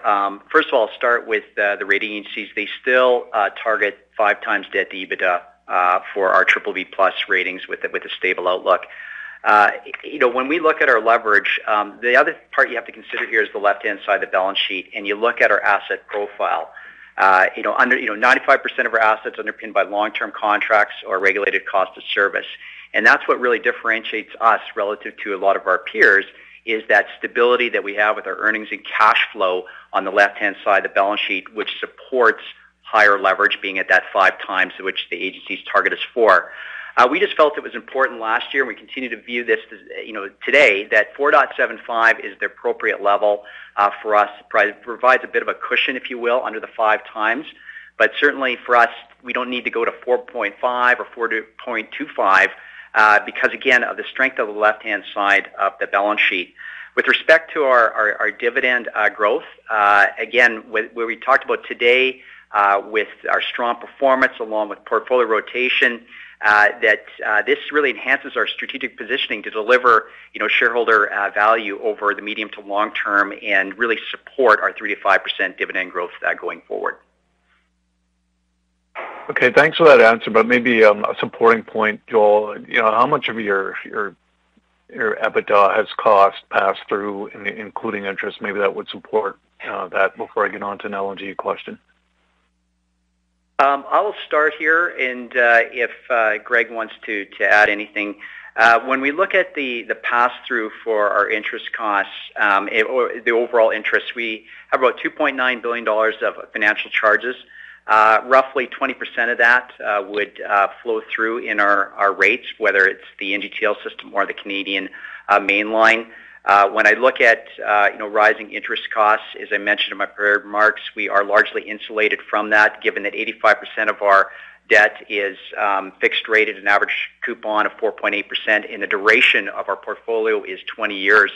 First of all, I'll start with the rating agencies. They still target 5x debt to EBITDA for our BBB+ ratings with a stable outlook. You know, when we look at our leverage, the other part you have to consider here is the left-hand side of the balance sheet, and you look at our asset profile. You know, under, you know, 95% of our assets underpinned by long-term contracts or regulated cost of service. That's what really differentiates us relative to a lot of our peers, is that stability that we have with our earnings and cash flow on the left-hand side of the balance sheet, which supports higher leverage being at that 5x to which the agencies target us for. We just felt it was important last year, and we continue to view this as, you know, today that 4.75 is the appropriate level for us. Provides a bit of a cushion, if you will, under the 5x. Certainly for us, we don't need to go to 4.5 or 4.25, because again, of the strength of the left-hand side of the balance sheet. With respect to our dividend growth, again, where we talked about today, with our strong performance along with portfolio rotation, that this really enhances our strategic positioning to deliver, you know, shareholder value over the medium to long term and really support our 3%-5% dividend growth going forward. Okay, thanks for that answer, but maybe a supporting point, Joel. You know, how much of your EBITDA has cost passed through, including interest, maybe that would support that before I get on to an LNG question? I'll start here and if Greg wants to add anything. When we look at the pass-through for our interest costs or the overall interest, we have about 2.9 billion dollars of financial charges. Roughly 20% of that would flow through in our rates, whether it's the NGTL system or the Canadian mainline. When I look at you know rising interest costs, as I mentioned in my remarks, we are largely insulated from that, given that 85% of our debt is fixed rated, an average coupon of 4.8%, and the duration of our portfolio is 20 years.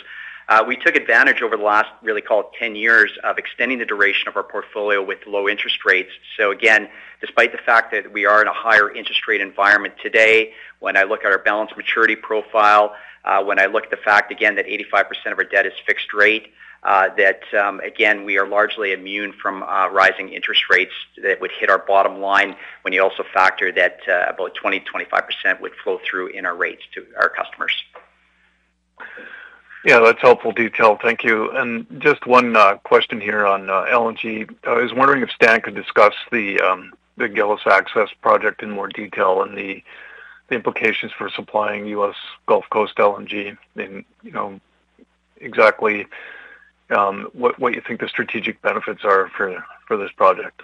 We took advantage over the last really call it 10 years of extending the duration of our portfolio with low interest rates. Despite the fact that we are in a higher interest rate environment today, when I look at our balance maturity profile, when I look at the fact again that 85% of our debt is fixed rate, that again, we are largely immune from rising interest rates that would hit our bottom line when you also factor that about 20%-25% would flow through in our rates to our customers. Yeah, that's helpful detail. Thank you. Just one question here on LNG. I was wondering if Stan could discuss the Gillis Access project in more detail and the implications for supplying U.S. Gulf Coast LNG and, you know, exactly what you think the strategic benefits are for this project.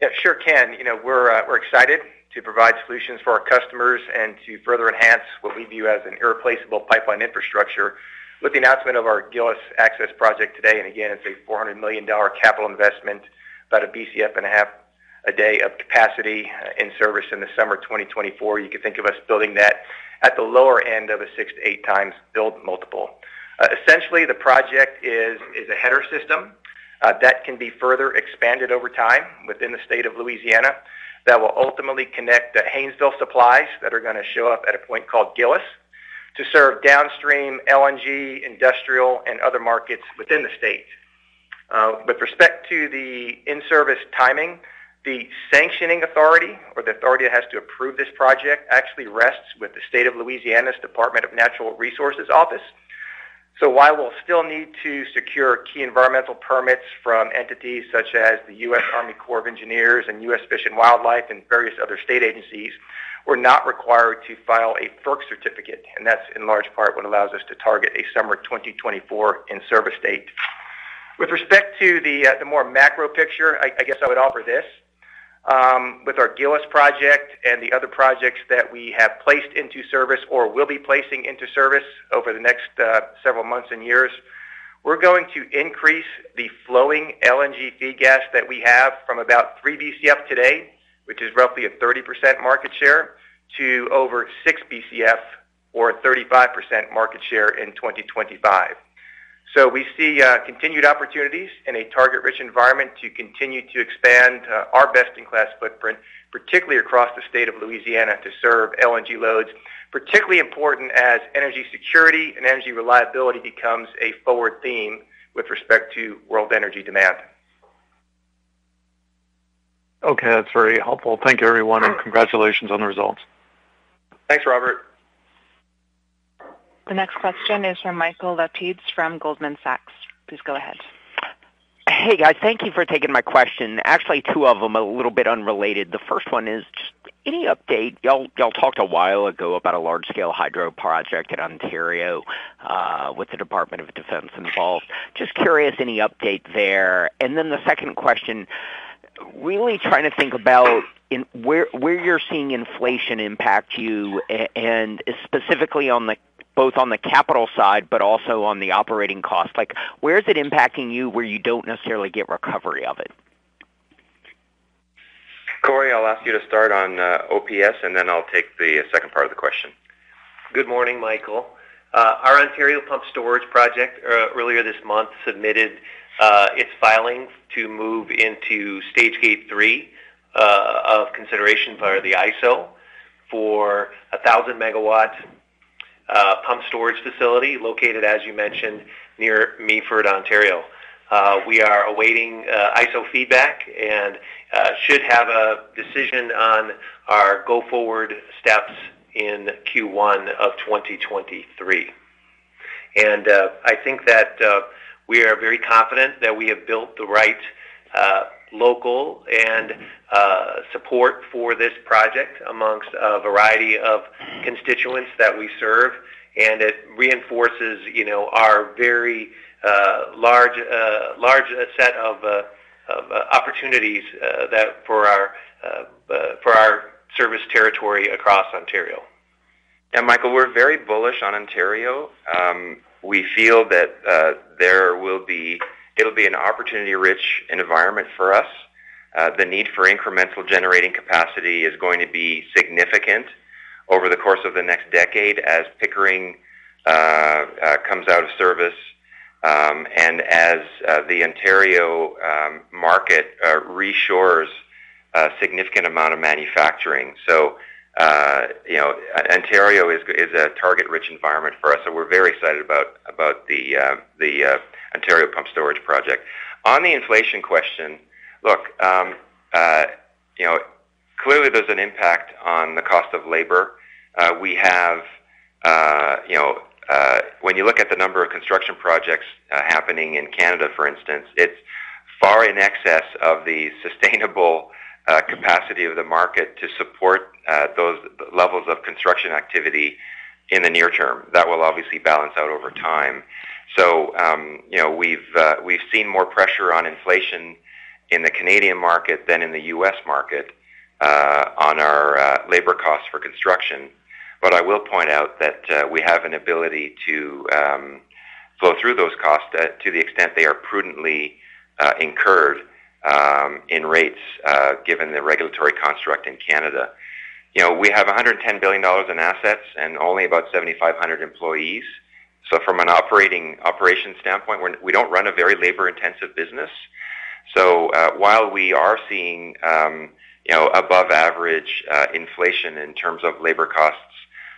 Yeah, sure can. You know, we're excited to provide solutions for our customers and to further enhance what we view as an irreplaceable pipeline infrastructure. With the announcement of our Gillis Access project today, and again, it's a $400 million capital investment, about a BCF and a half a day of capacity in service in the summer 2024. You can think of us building that at the lower end of a 6-8x build multiple. Essentially, the project is a header system that can be further expanded over time within the state of Louisiana that will ultimately connect the Haynesville supplies that are gonna show up at a point called Gillis to serve downstream LNG, industrial, and other markets within the state. With respect to the in-service timing, the sanctioning authority or the authority that has to approve this project actually rests with the state of Louisiana's Department of Natural Resources office. While we'll still need to secure key environmental permits from entities such as the U.S. Army Corps of Engineers and U.S. Fish and Wildlife Service and various other state agencies, we're not required to file a FERC certificate, and that's in large part what allows us to target a summer 2024 in-service date. With respect to the more macro picture, I guess I would offer this. With our Gillis project and the other projects that we have placed into service or will be placing into service over the next several months and years, we're going to increase the flowing LNG feed gas that we have from about 3 BCF today, which is roughly a 30% market share, to over 6 BCF or a 35% market share in 2025. We see continued opportunities in a target-rich environment to continue to expand our best-in-class footprint, particularly across the state of Louisiana, to serve LNG loads, particularly important as energy security and energy reliability becomes a forward theme with respect to world energy demand. Okay, that's very helpful. Thank you everyone, and congratulations on the results. Thanks, Robert. The next question is from Michael Lapides from Goldman Sachs. Please go ahead. Hey, guys. Thank you for taking my question. Actually, two of them a little bit unrelated. The first one is any update. Y'all talked a while ago about a large-scale hydro project in Ontario with the Department of National Defence involved. Just curious, any update there? Then the second question, really trying to think about where you're seeing inflation impact you and specifically on both the capital side, but also on the operating cost. Like, where is it impacting you where you don't necessarily get recovery of it? Corey, I'll ask you to start on OPS, and then I'll take the second part of the question. Good morning, Michael. Our Ontario Pumped Storage project earlier this month submitted its filings to move into Stage Gate three of consideration via the IESO for a 1,000-megawatt pumped storage facility located, as you mentioned, near Meaford, Ontario. We are awaiting IESO feedback and should have a decision on our go-forward steps in Q1 of 2023. I think that we are very confident that we have built the right local and support for this project among a variety of constituents that we serve. It reinforces, you know, our very large set of opportunities for our service territory across Ontario. Michael, we're very bullish on Ontario. We feel that it'll be an opportunity-rich environment for us. The need for incremental generating capacity is going to be significant over the course of the next decade as Pickering comes out of service, and as the Ontario market reshores a significant amount of manufacturing. You know, Ontario is a target-rich environment for us, so we're very excited about the Ontario Pumped Storage Project. On the inflation question, look, you know, clearly there's an impact on the cost of labor. We have, you know, when you look at the number of construction projects happening in Canada, for instance, it's far in excess of the sustainable capacity of the market to support those levels of construction activity in the near term. That will obviously balance out over time. You know, we've seen more pressure on inflation in the Canadian market than in the U.S. market on our labor costs for construction. But I will point out that we have an ability to flow through those costs to the extent they are prudently incurred in rates given the regulatory construct in Canada. You know, we have 110 billion dollars in assets and only about 7,500 employees. From an operation standpoint, we don't run a very labor-intensive business. While we are seeing, you know, above average inflation in terms of labor costs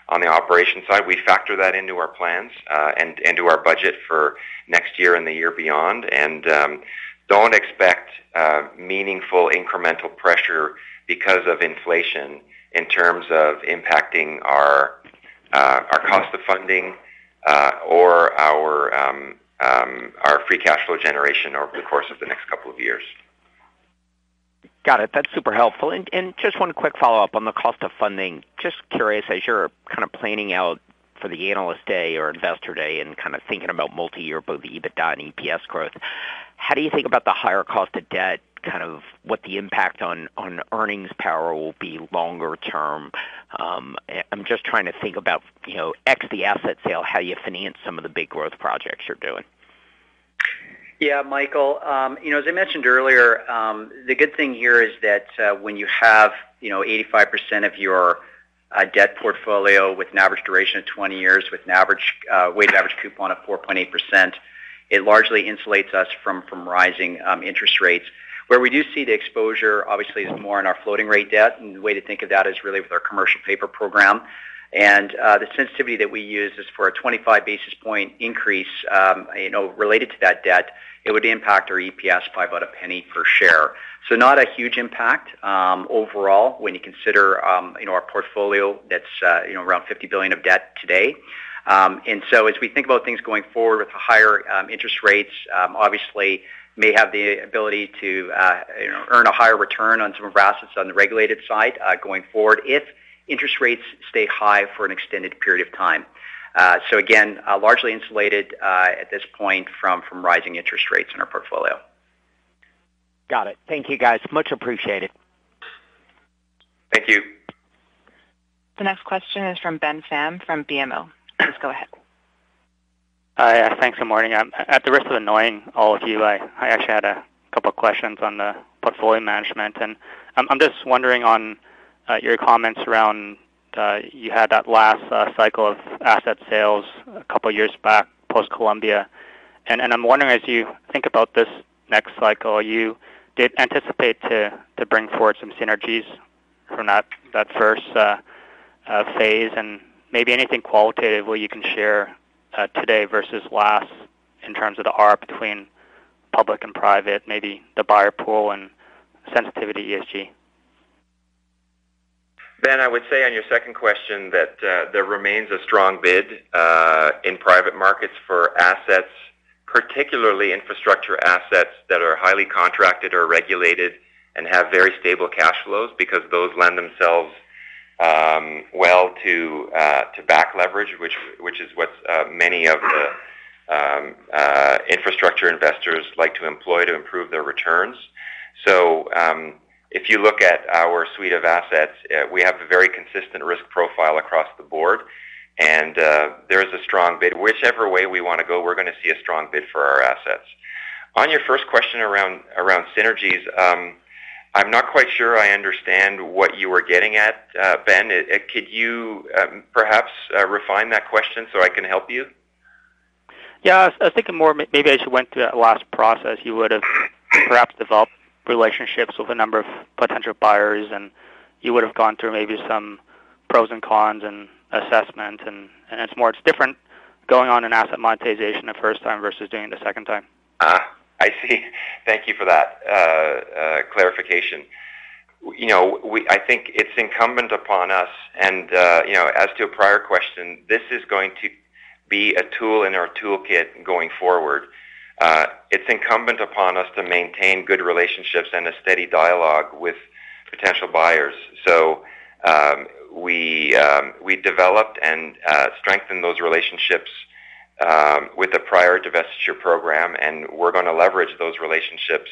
on the operation side, we factor that into our plans and to our budget for next year and the year beyond. Don't expect meaningful incremental pressure because of inflation in terms of impacting our cost of funding or our free cash flow generation over the course of the next couple of years. Got it. That's super helpful. Just one quick follow-up on the cost of funding. Just curious, as you're kind of planning out for the Analyst Day or Investor Day and kind of thinking about multi-year both EBITDA and EPS growth, how do you think about the higher cost of debt, kind of what the impact on earnings power will be longer term? I'm just trying to think about, you know, ex the asset sale, how you finance some of the big growth projects you're doing. Yeah, Michael. You know, as I mentioned earlier, the good thing here is that, when you have, you know, 85% of your debt portfolio with an average duration of 20 years, with an average weighted average coupon of 4.8%, it largely insulates us from rising interest rates. Where we do see the exposure, obviously, is more in our floating rate debt. The way to think of that is really with our commercial paper program. The sensitivity that we use is for a 25 basis point increase, you know, related to that debt. It would impact our EPS by about CAD 0.01 per share. Not a huge impact, overall, when you consider, you know, our portfolio that's, you know, around 50 billion of debt today. As we think about things going forward with the higher interest rates, obviously may have the ability to, you know, earn a higher return on some of our assets on the regulated side, going forward if interest rates stay high for an extended period of time. Largely insulated at this point from rising interest rates in our portfolio. Got it. Thank you, guys. Much appreciated. Thank you. The next question is from Ben Pham from BMO. Please go ahead. Hi. Thanks. Good morning. At the risk of annoying all of you, I actually had a couple of questions on the portfolio management. I'm just wondering on your comments around you had that last cycle of asset sales a couple of years back, post-Columbia. I'm wondering as you think about this next cycle, you did anticipate to bring forward some synergies from that phase I and maybe anything qualitative where you can share today versus last in terms of the arc between public and private, maybe the buyer pool and sensitivity ESG. Ben, I would say on your second question that there remains a strong bid in private markets for assets, particularly infrastructure assets that are highly contracted or regulated and have very stable cash flows because those lend themselves well to back leverage, which is what many of the infrastructure investors like to employ to improve their returns. If you look at our suite of assets, we have a very consistent risk profile across the board, and there is a strong bid. Whichever way we want to go, we're going to see a strong bid for our assets. On your first question around synergies, I'm not quite sure I understand what you were getting at, Ben. Could you perhaps refine that question so I can help you? Yeah. I was thinking more maybe I should went through that last process. You would have perhaps developed relationships with a number of potential buyers, and you would have gone through maybe some pros and cons and assessment. It's more. It's different going on an asset monetization the first time versus doing it a second time. I see. Thank you for that clarification. You know, I think it's incumbent upon us and, you know, as to a prior question, this is going to be a tool in our toolkit going forward. It's incumbent upon us to maintain good relationships and a steady dialogue with potential buyers. We developed and strengthened those relationships with the prior divestiture program, and we're going to leverage those relationships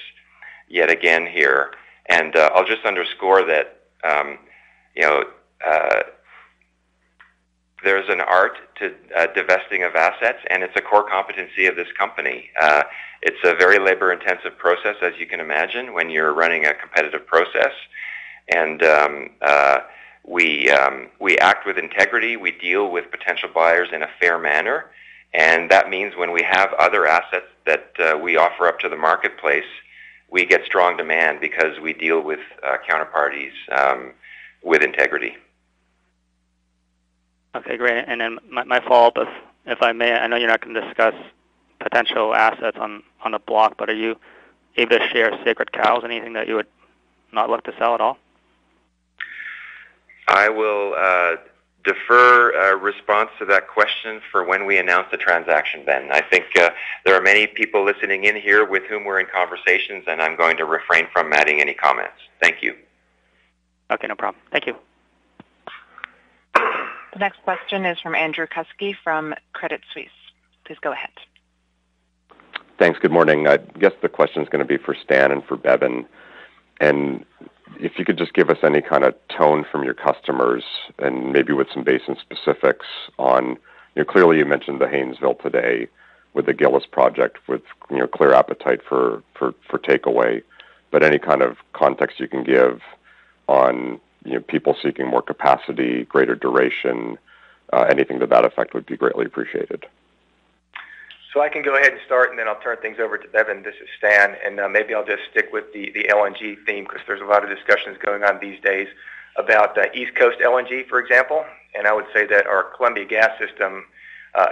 yet again here. I'll just underscore that, you know, there's an art to divesting of assets, and it's a core competency of this company. It's a very labor-intensive process, as you can imagine, when you're running a competitive process. We act with integrity. We deal with potential buyers in a fair manner. That means when we have other assets that we offer up to the marketplace, we get strong demand because we deal with counterparties with integrity. Okay, great. My fault, but if I may, I know you're not going to discuss potential assets on a block, but are you able to share sacred cows, anything that you would not look to sell at all? I will defer a response to that question for when we announce the transaction, Ben. I think there are many people listening in here with whom we're in conversations, and I'm going to refrain from adding any comments. Thank you. Okay. No problem. Thank you. The next question is from Andrew Kuske from Credit Suisse. Please go ahead. Thanks. Good morning. I guess the question is gonna be for Stan and for Bevin. If you could just give us any kind of tone from your customers and maybe with some basin specifics on. You know, clearly, you mentioned the Haynesville today with the Gillis project, with, you know, clear appetite for takeaway. Any kind of context you can give on, you know, people seeking more capacity, greater duration, anything to that effect would be greatly appreciated. I can go ahead and start, and then I'll turn things over to Bevin. This is Stan. Maybe I'll just stick with the LNG theme because there's a lot of discussions going on these days about East Coast LNG, for example. I would say that our Columbia Gas system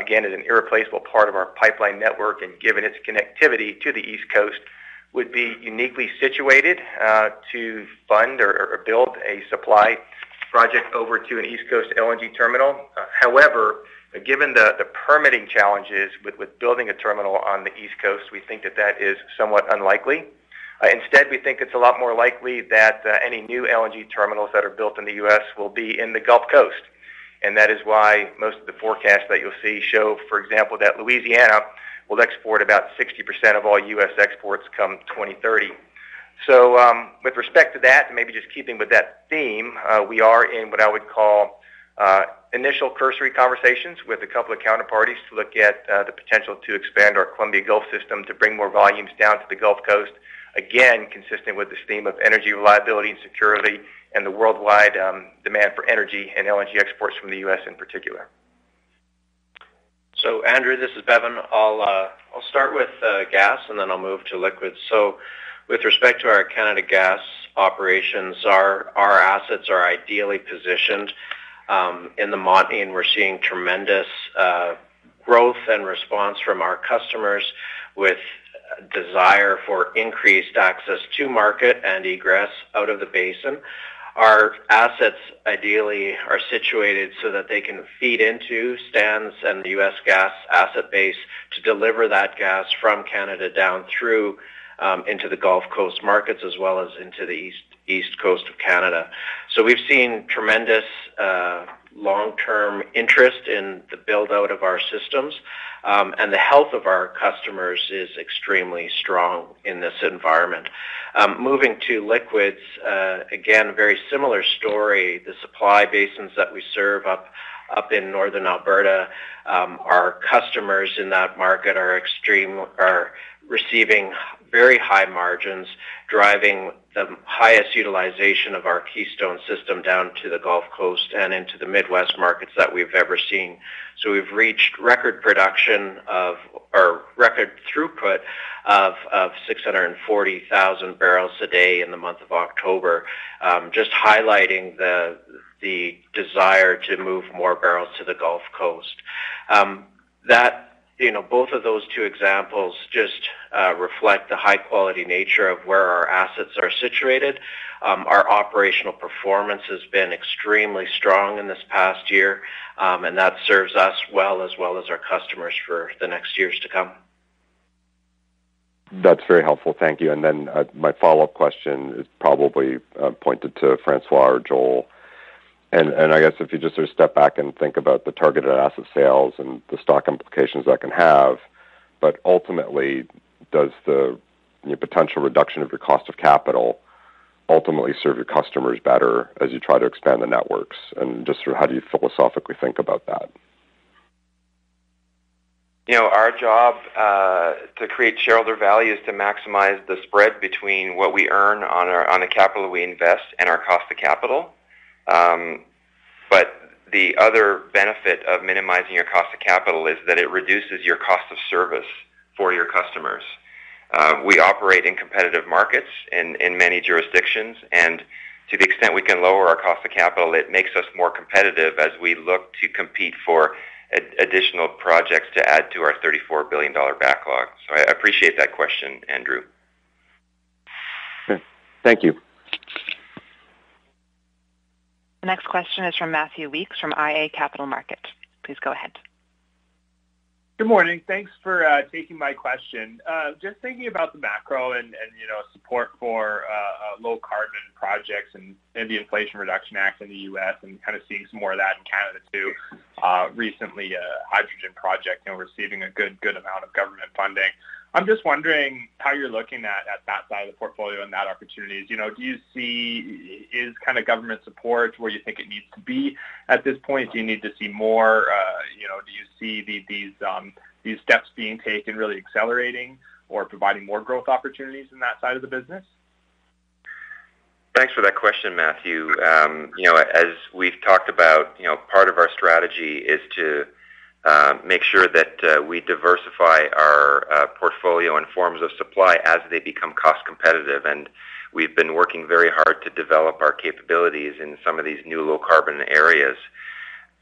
again is an irreplaceable part of our pipeline network, and given its connectivity to the East Coast, would be uniquely situated to fund or build a supply project over to an East Coast LNG terminal. However, given the permitting challenges with building a terminal on the East Coast, we think that is somewhat unlikely. Instead, we think it's a lot more likely that any new LNG terminals that are built in the U.S. will be in the Gulf Coast. That is why most of the forecasts that you'll see show, for example, that Louisiana will export about 60% of all U.S. exports come 2030. With respect to that, and maybe just keeping with that theme, we are in what I would call initial cursory conversations with a couple of counterparties to look at the potential to expand our Columbia Gulf Transmission to bring more volumes down to the Gulf Coast, again, consistent with this theme of energy reliability and security and the worldwide demand for energy and LNG exports from the U.S. in particular. Andrew, this is Bevin. I'll start with gas, and then I'll move to liquids. With respect to our Canada gas operations, our assets are ideally positioned in the Montney, and we're seeing tremendous growth and response from our customers with desire for increased access to market and egress out of the basin. Our assets ideally are situated so that they can feed into Stan's and the U.S. Gas asset base to deliver that gas from Canada down through into the Gulf Coast markets as well as into the East Coast of Canada. We've seen tremendous long-term interest in the build-out of our systems, and the health of our customers is extremely strong in this environment. Moving to liquids, again, a very similar story. The supply basins that we serve up in Northern Alberta, our customers in that market are receiving very high margins, driving the highest utilization of our Keystone system down to the Gulf Coast and into the Midwest markets that we've ever seen. We've reached record production or record throughput of 640,000 barrels a day in the month of October. Just highlighting the desire to move more barrels to the Gulf Coast. That, you know, both of those two examples just reflect the high-quality nature of where our assets are situated. Our operational performance has been extremely strong in this past year, and that serves us well as well as our customers for the next years to come. That's very helpful. Thank you. My follow-up question is probably pointed to François or Joel. I guess if you just sort of step back and think about the targeted asset sales and the stock implications that can have. Ultimately, does the, you know, potential reduction of your cost of capital ultimately serve your customers better as you try to expand the networks? Just sort of how do you philosophically think about that? You know, our job to create shareholder value is to maximize the spread between what we earn on the capital we invest and our cost of capital. The other benefit of minimizing your cost of capital is that it reduces your cost of service for your customers. We operate in competitive markets in many jurisdictions, and to the extent we can lower our cost of capital, it makes us more competitive as we look to compete for additional projects to add to our 34 billion dollar backlog. I appreciate that question, Andrew. Okay. Thank you. The next question is from Matthew Weekes from iA Capital Markets. Please go ahead. Good morning. Thanks for taking my question. Just thinking about the macro and, you know, support for low carbon projects and the Inflation Reduction Act in the U.S. and kind of seeing some more of that in Canada, too. Recently a hydrogen project, you know, receiving a good amount of government funding. I'm just wondering how you're looking at that side of the portfolio and that opportunities. You know, is kind of government support where you think it needs to be at this point? Do you need to see more? You know, do you see these steps being taken really accelerating or providing more growth opportunities in that side of the business? Thanks for that question, Matthew. You know, as we've talked about, you know, part of our strategy is to make sure that we diversify our portfolio in forms of supply as they become cost-competitive. We've been working very hard to develop our capabilities in some of these new low-carbon areas.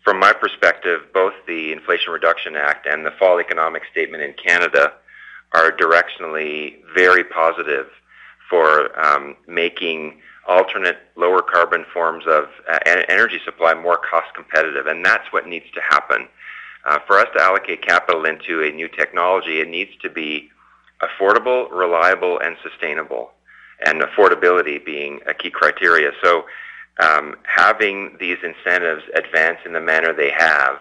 From my perspective, both the Inflation Reduction Act and the Fall Economic Statement in Canada are directionally very positive for making alternate lower carbon forms of energy supply more cost-competitive, and that's what needs to happen. For us to allocate capital into a new technology, it needs to be affordable, reliable, and sustainable, and affordability being a key criteria. Having these incentives advance in the manner they have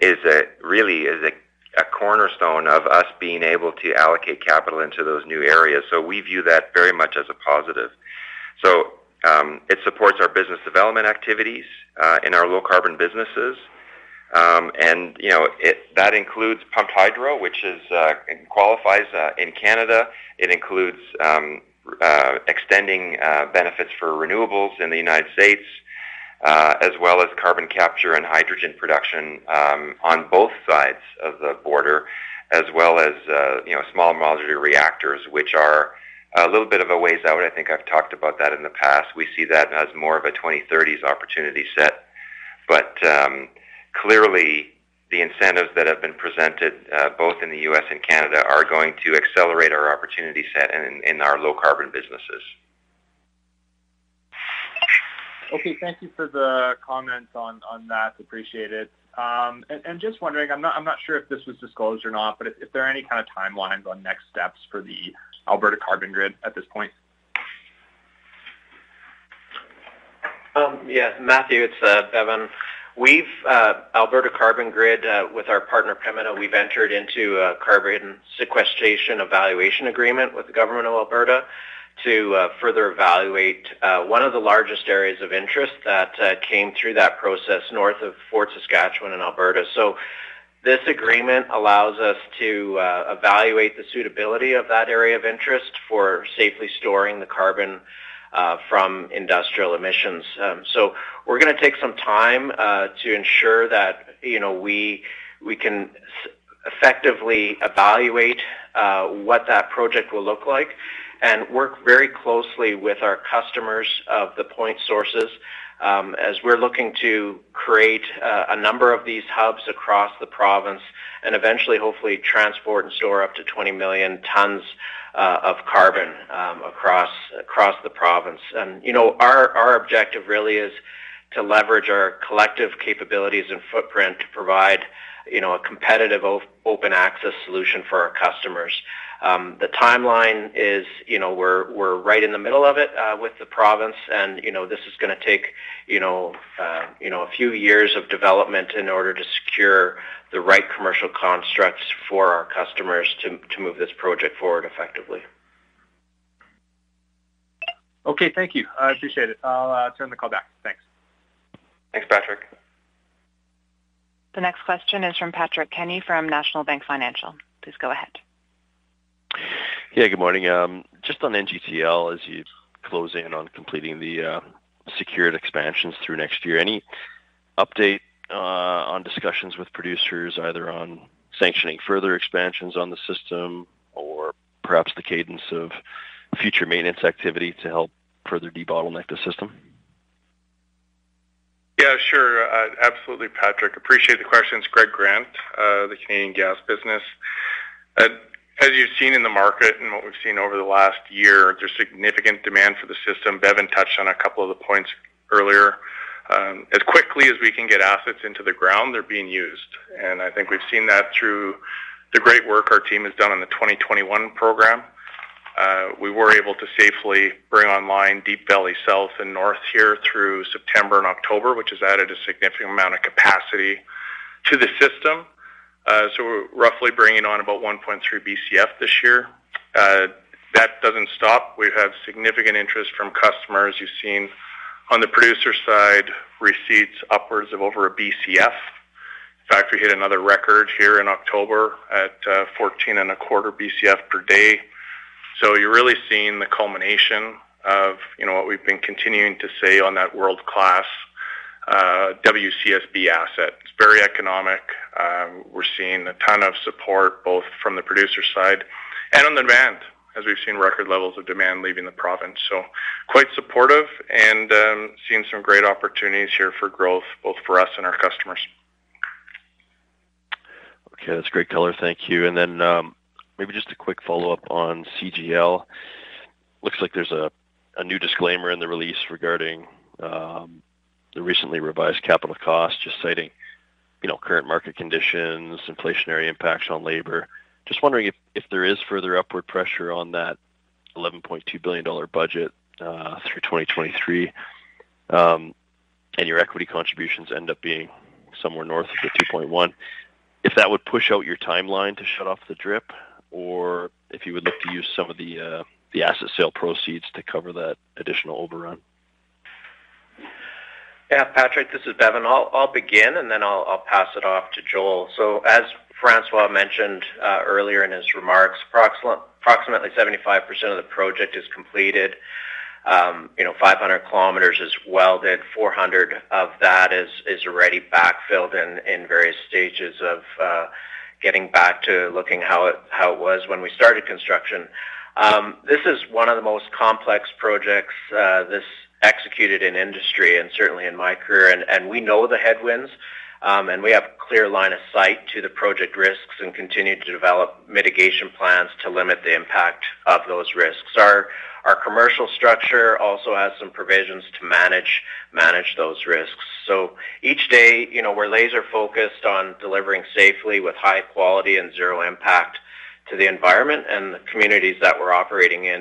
is really a cornerstone of us being able to allocate capital into those new areas. We view that very much as a positive. It supports our business development activities in our low-carbon businesses. That includes pumped hydro, which qualifies in Canada. It includes extending benefits for renewables in the United States, as well as carbon capture and hydrogen production on both sides of the border, as well as small modular reactors, which are a little bit of a ways out. I think I've talked about that in the past. We see that as more of a 2030s opportunity set. Clearly, the incentives that have been presented both in the U.S. and Canada are going to accelerate our opportunity set in our low-carbon businesses. Okay. Thank you for the comments on that. Appreciate it. Just wondering, I'm not sure if this was disclosed or not, but if there are any kind of timelines on next steps for the Alberta Carbon Grid at this point? Yes, Matthew, it's Bevin. We've Alberta Carbon Grid with our partner, Pembina, we've entered into a carbon sequestration evaluation agreement with the government of Alberta to further evaluate one of the largest areas of interest that came through that process north of Fort Saskatchewan in Alberta. This agreement allows us to evaluate the suitability of that area of interest for safely storing the carbon from industrial emissions. We're gonna take some time to ensure that, you know, we can effectively evaluate what that project will look like and work very closely with our customers of the point sources as we're looking to create a number of these hubs across the province and eventually, hopefully, transport and store up to 20 million tons of carbon across the province. You know, our objective really is to leverage our collective capabilities and footprint to provide, you know, a competitive open access solution for our customers. The timeline is, you know, we're right in the middle of it, with the province and, you know, this is gonna take, you know, a few years of development in order to secure the right commercial constructs for our customers to move this project forward effectively. Okay. Thank you. I appreciate it. I'll turn the call back. Thanks. Thanks, Patrick. The next question is from Patrick Kenny from National Bank Financial. Please go ahead. Yeah. Good morning. Just on NGTL, as you close in on completing the secured expansions through next year, any update on discussions with producers either on sanctioning further expansions on the system or perhaps the cadence of future maintenance activity to help further debottleneck the system? Yeah, sure. Absolutely, Patrick. Appreciate the question. It's Greg Grant, the Canadian gas business. As you've seen in the market and what we've seen over the last year, there's significant demand for the system. Bevin touched on a couple of the points earlier. As quickly as we can get assets into the ground, they're being used. I think we've seen that through the great work our team has done on the 2021 program. We were able to safely bring online Deep Valley South and North here through September and October, which has added a significant amount of capacity to the system. So we're roughly bringing on about 1.3 BCF this year. That doesn't stop. We have significant interest from customers. You've seen on the producer side receipts upwards of over 1 BCF. In fact, we hit another record here in October at 14.25 BCF per day. You're really seeing the culmination of, you know, what we've been continuing to see on that world-class WCSB asset. It's very economic. We're seeing a ton of support, both from the producer side and on demand, as we've seen record levels of demand leaving the province. Quite supportive and seeing some great opportunities here for growth, both for us and our customers. Okay. That's great color. Thank you. Maybe just a quick follow-up on CGL. Looks like there's a new disclaimer in the release regarding the recently revised capital costs, just citing, you know, current market conditions, inflationary impacts on labor. Just wondering if there is further upward pressure on that 11.2 billion dollar budget through 2023, and your equity contributions end up being somewhere north of the 2.1 billion, if that would push out your timeline to shut off the DRIP or if you would look to use some of the asset sale proceeds to cover that additional overrun. Yeah. Patrick, this is Bevin. I'll begin, and then I'll pass it off to Joel. François mentioned earlier in his remarks, approximately 75% of the project is completed. You know, 500 km is welded. 400 of that is already backfilled in various stages of getting back to looking how it was when we started construction. This is one of the most complex projects executed in industry and certainly in my career. We know the headwinds, and we have clear line of sight to the project risks and continue to develop mitigation plans to limit the impact of those risks. Our commercial structure also has some provisions to manage those risks. Each day, you know, we're laser-focused on delivering safely with high quality and zero impact to the environment and the communities that we're operating in.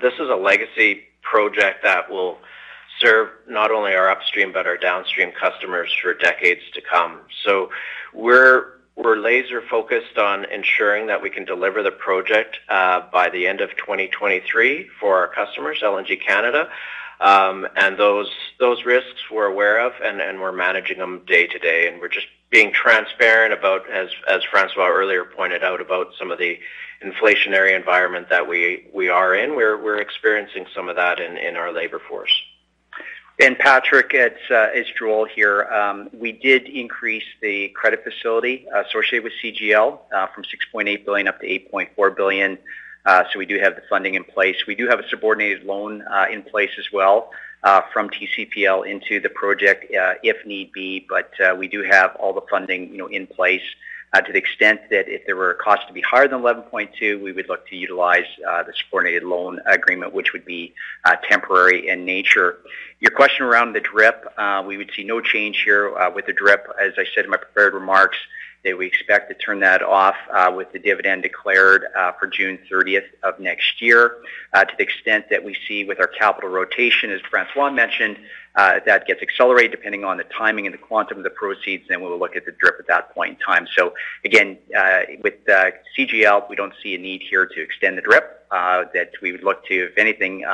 This is a legacy project that will serve not only our upstream, but our downstream customers for decades to come. We're laser-focused on ensuring that we can deliver the project by the end of 2023 for our customers, LNG Canada. Those risks we're aware of and we're managing them day to day. We're just being transparent about, as François earlier pointed out about some of the inflationary environment that we are in. We're experiencing some of that in our labor force. Patrick, it's Joel here. We did increase the credit facility associated with CGL from 6.8 billion up to 8.4 billion. We do have the funding in place. We do have a subordinated loan in place as well from TCPL into the project if need be. We do have all the funding, you know, in place to the extent that if there were costs to be higher than 11.2 billion, we would look to utilize the subordinated loan agreement, which would be temporary in nature. Your question around the DRIP, we would see no change here with the DRIP. As I said in my prepared remarks, that we expect to turn that off with the dividend declared for June thirtieth of next year. To the extent that we see with our capital rotation, as François mentioned, that gets accelerated depending on the timing and the quantum of the proceeds, then we'll look at the DRIP at that point in time. Again, with CGL, we don't see a need here to extend the DRIP, that we would look to, if anything,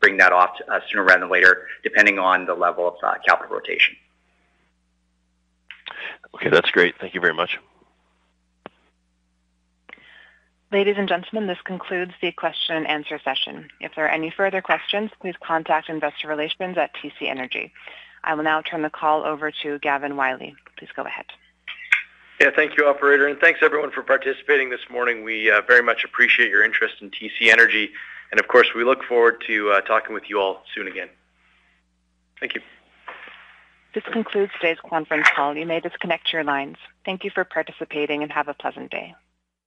bring that off, sooner rather than later, depending on the level of capital rotation. Okay. That's great. Thank you very much. Ladies and gentlemen, this concludes the question and answer session. If there are any further questions, please contact Investor Relations at TC Energy. I will now turn the call over to Gavin Wylie. Please go ahead. Yeah. Thank you, operator. Thanks everyone for participating this morning. We very much appreciate your interest in TC Energy. Of course, we look forward to talking with you all soon again. Thank you. This concludes today's conference call. You may disconnect your lines. Thank you for participating, and have a pleasant day.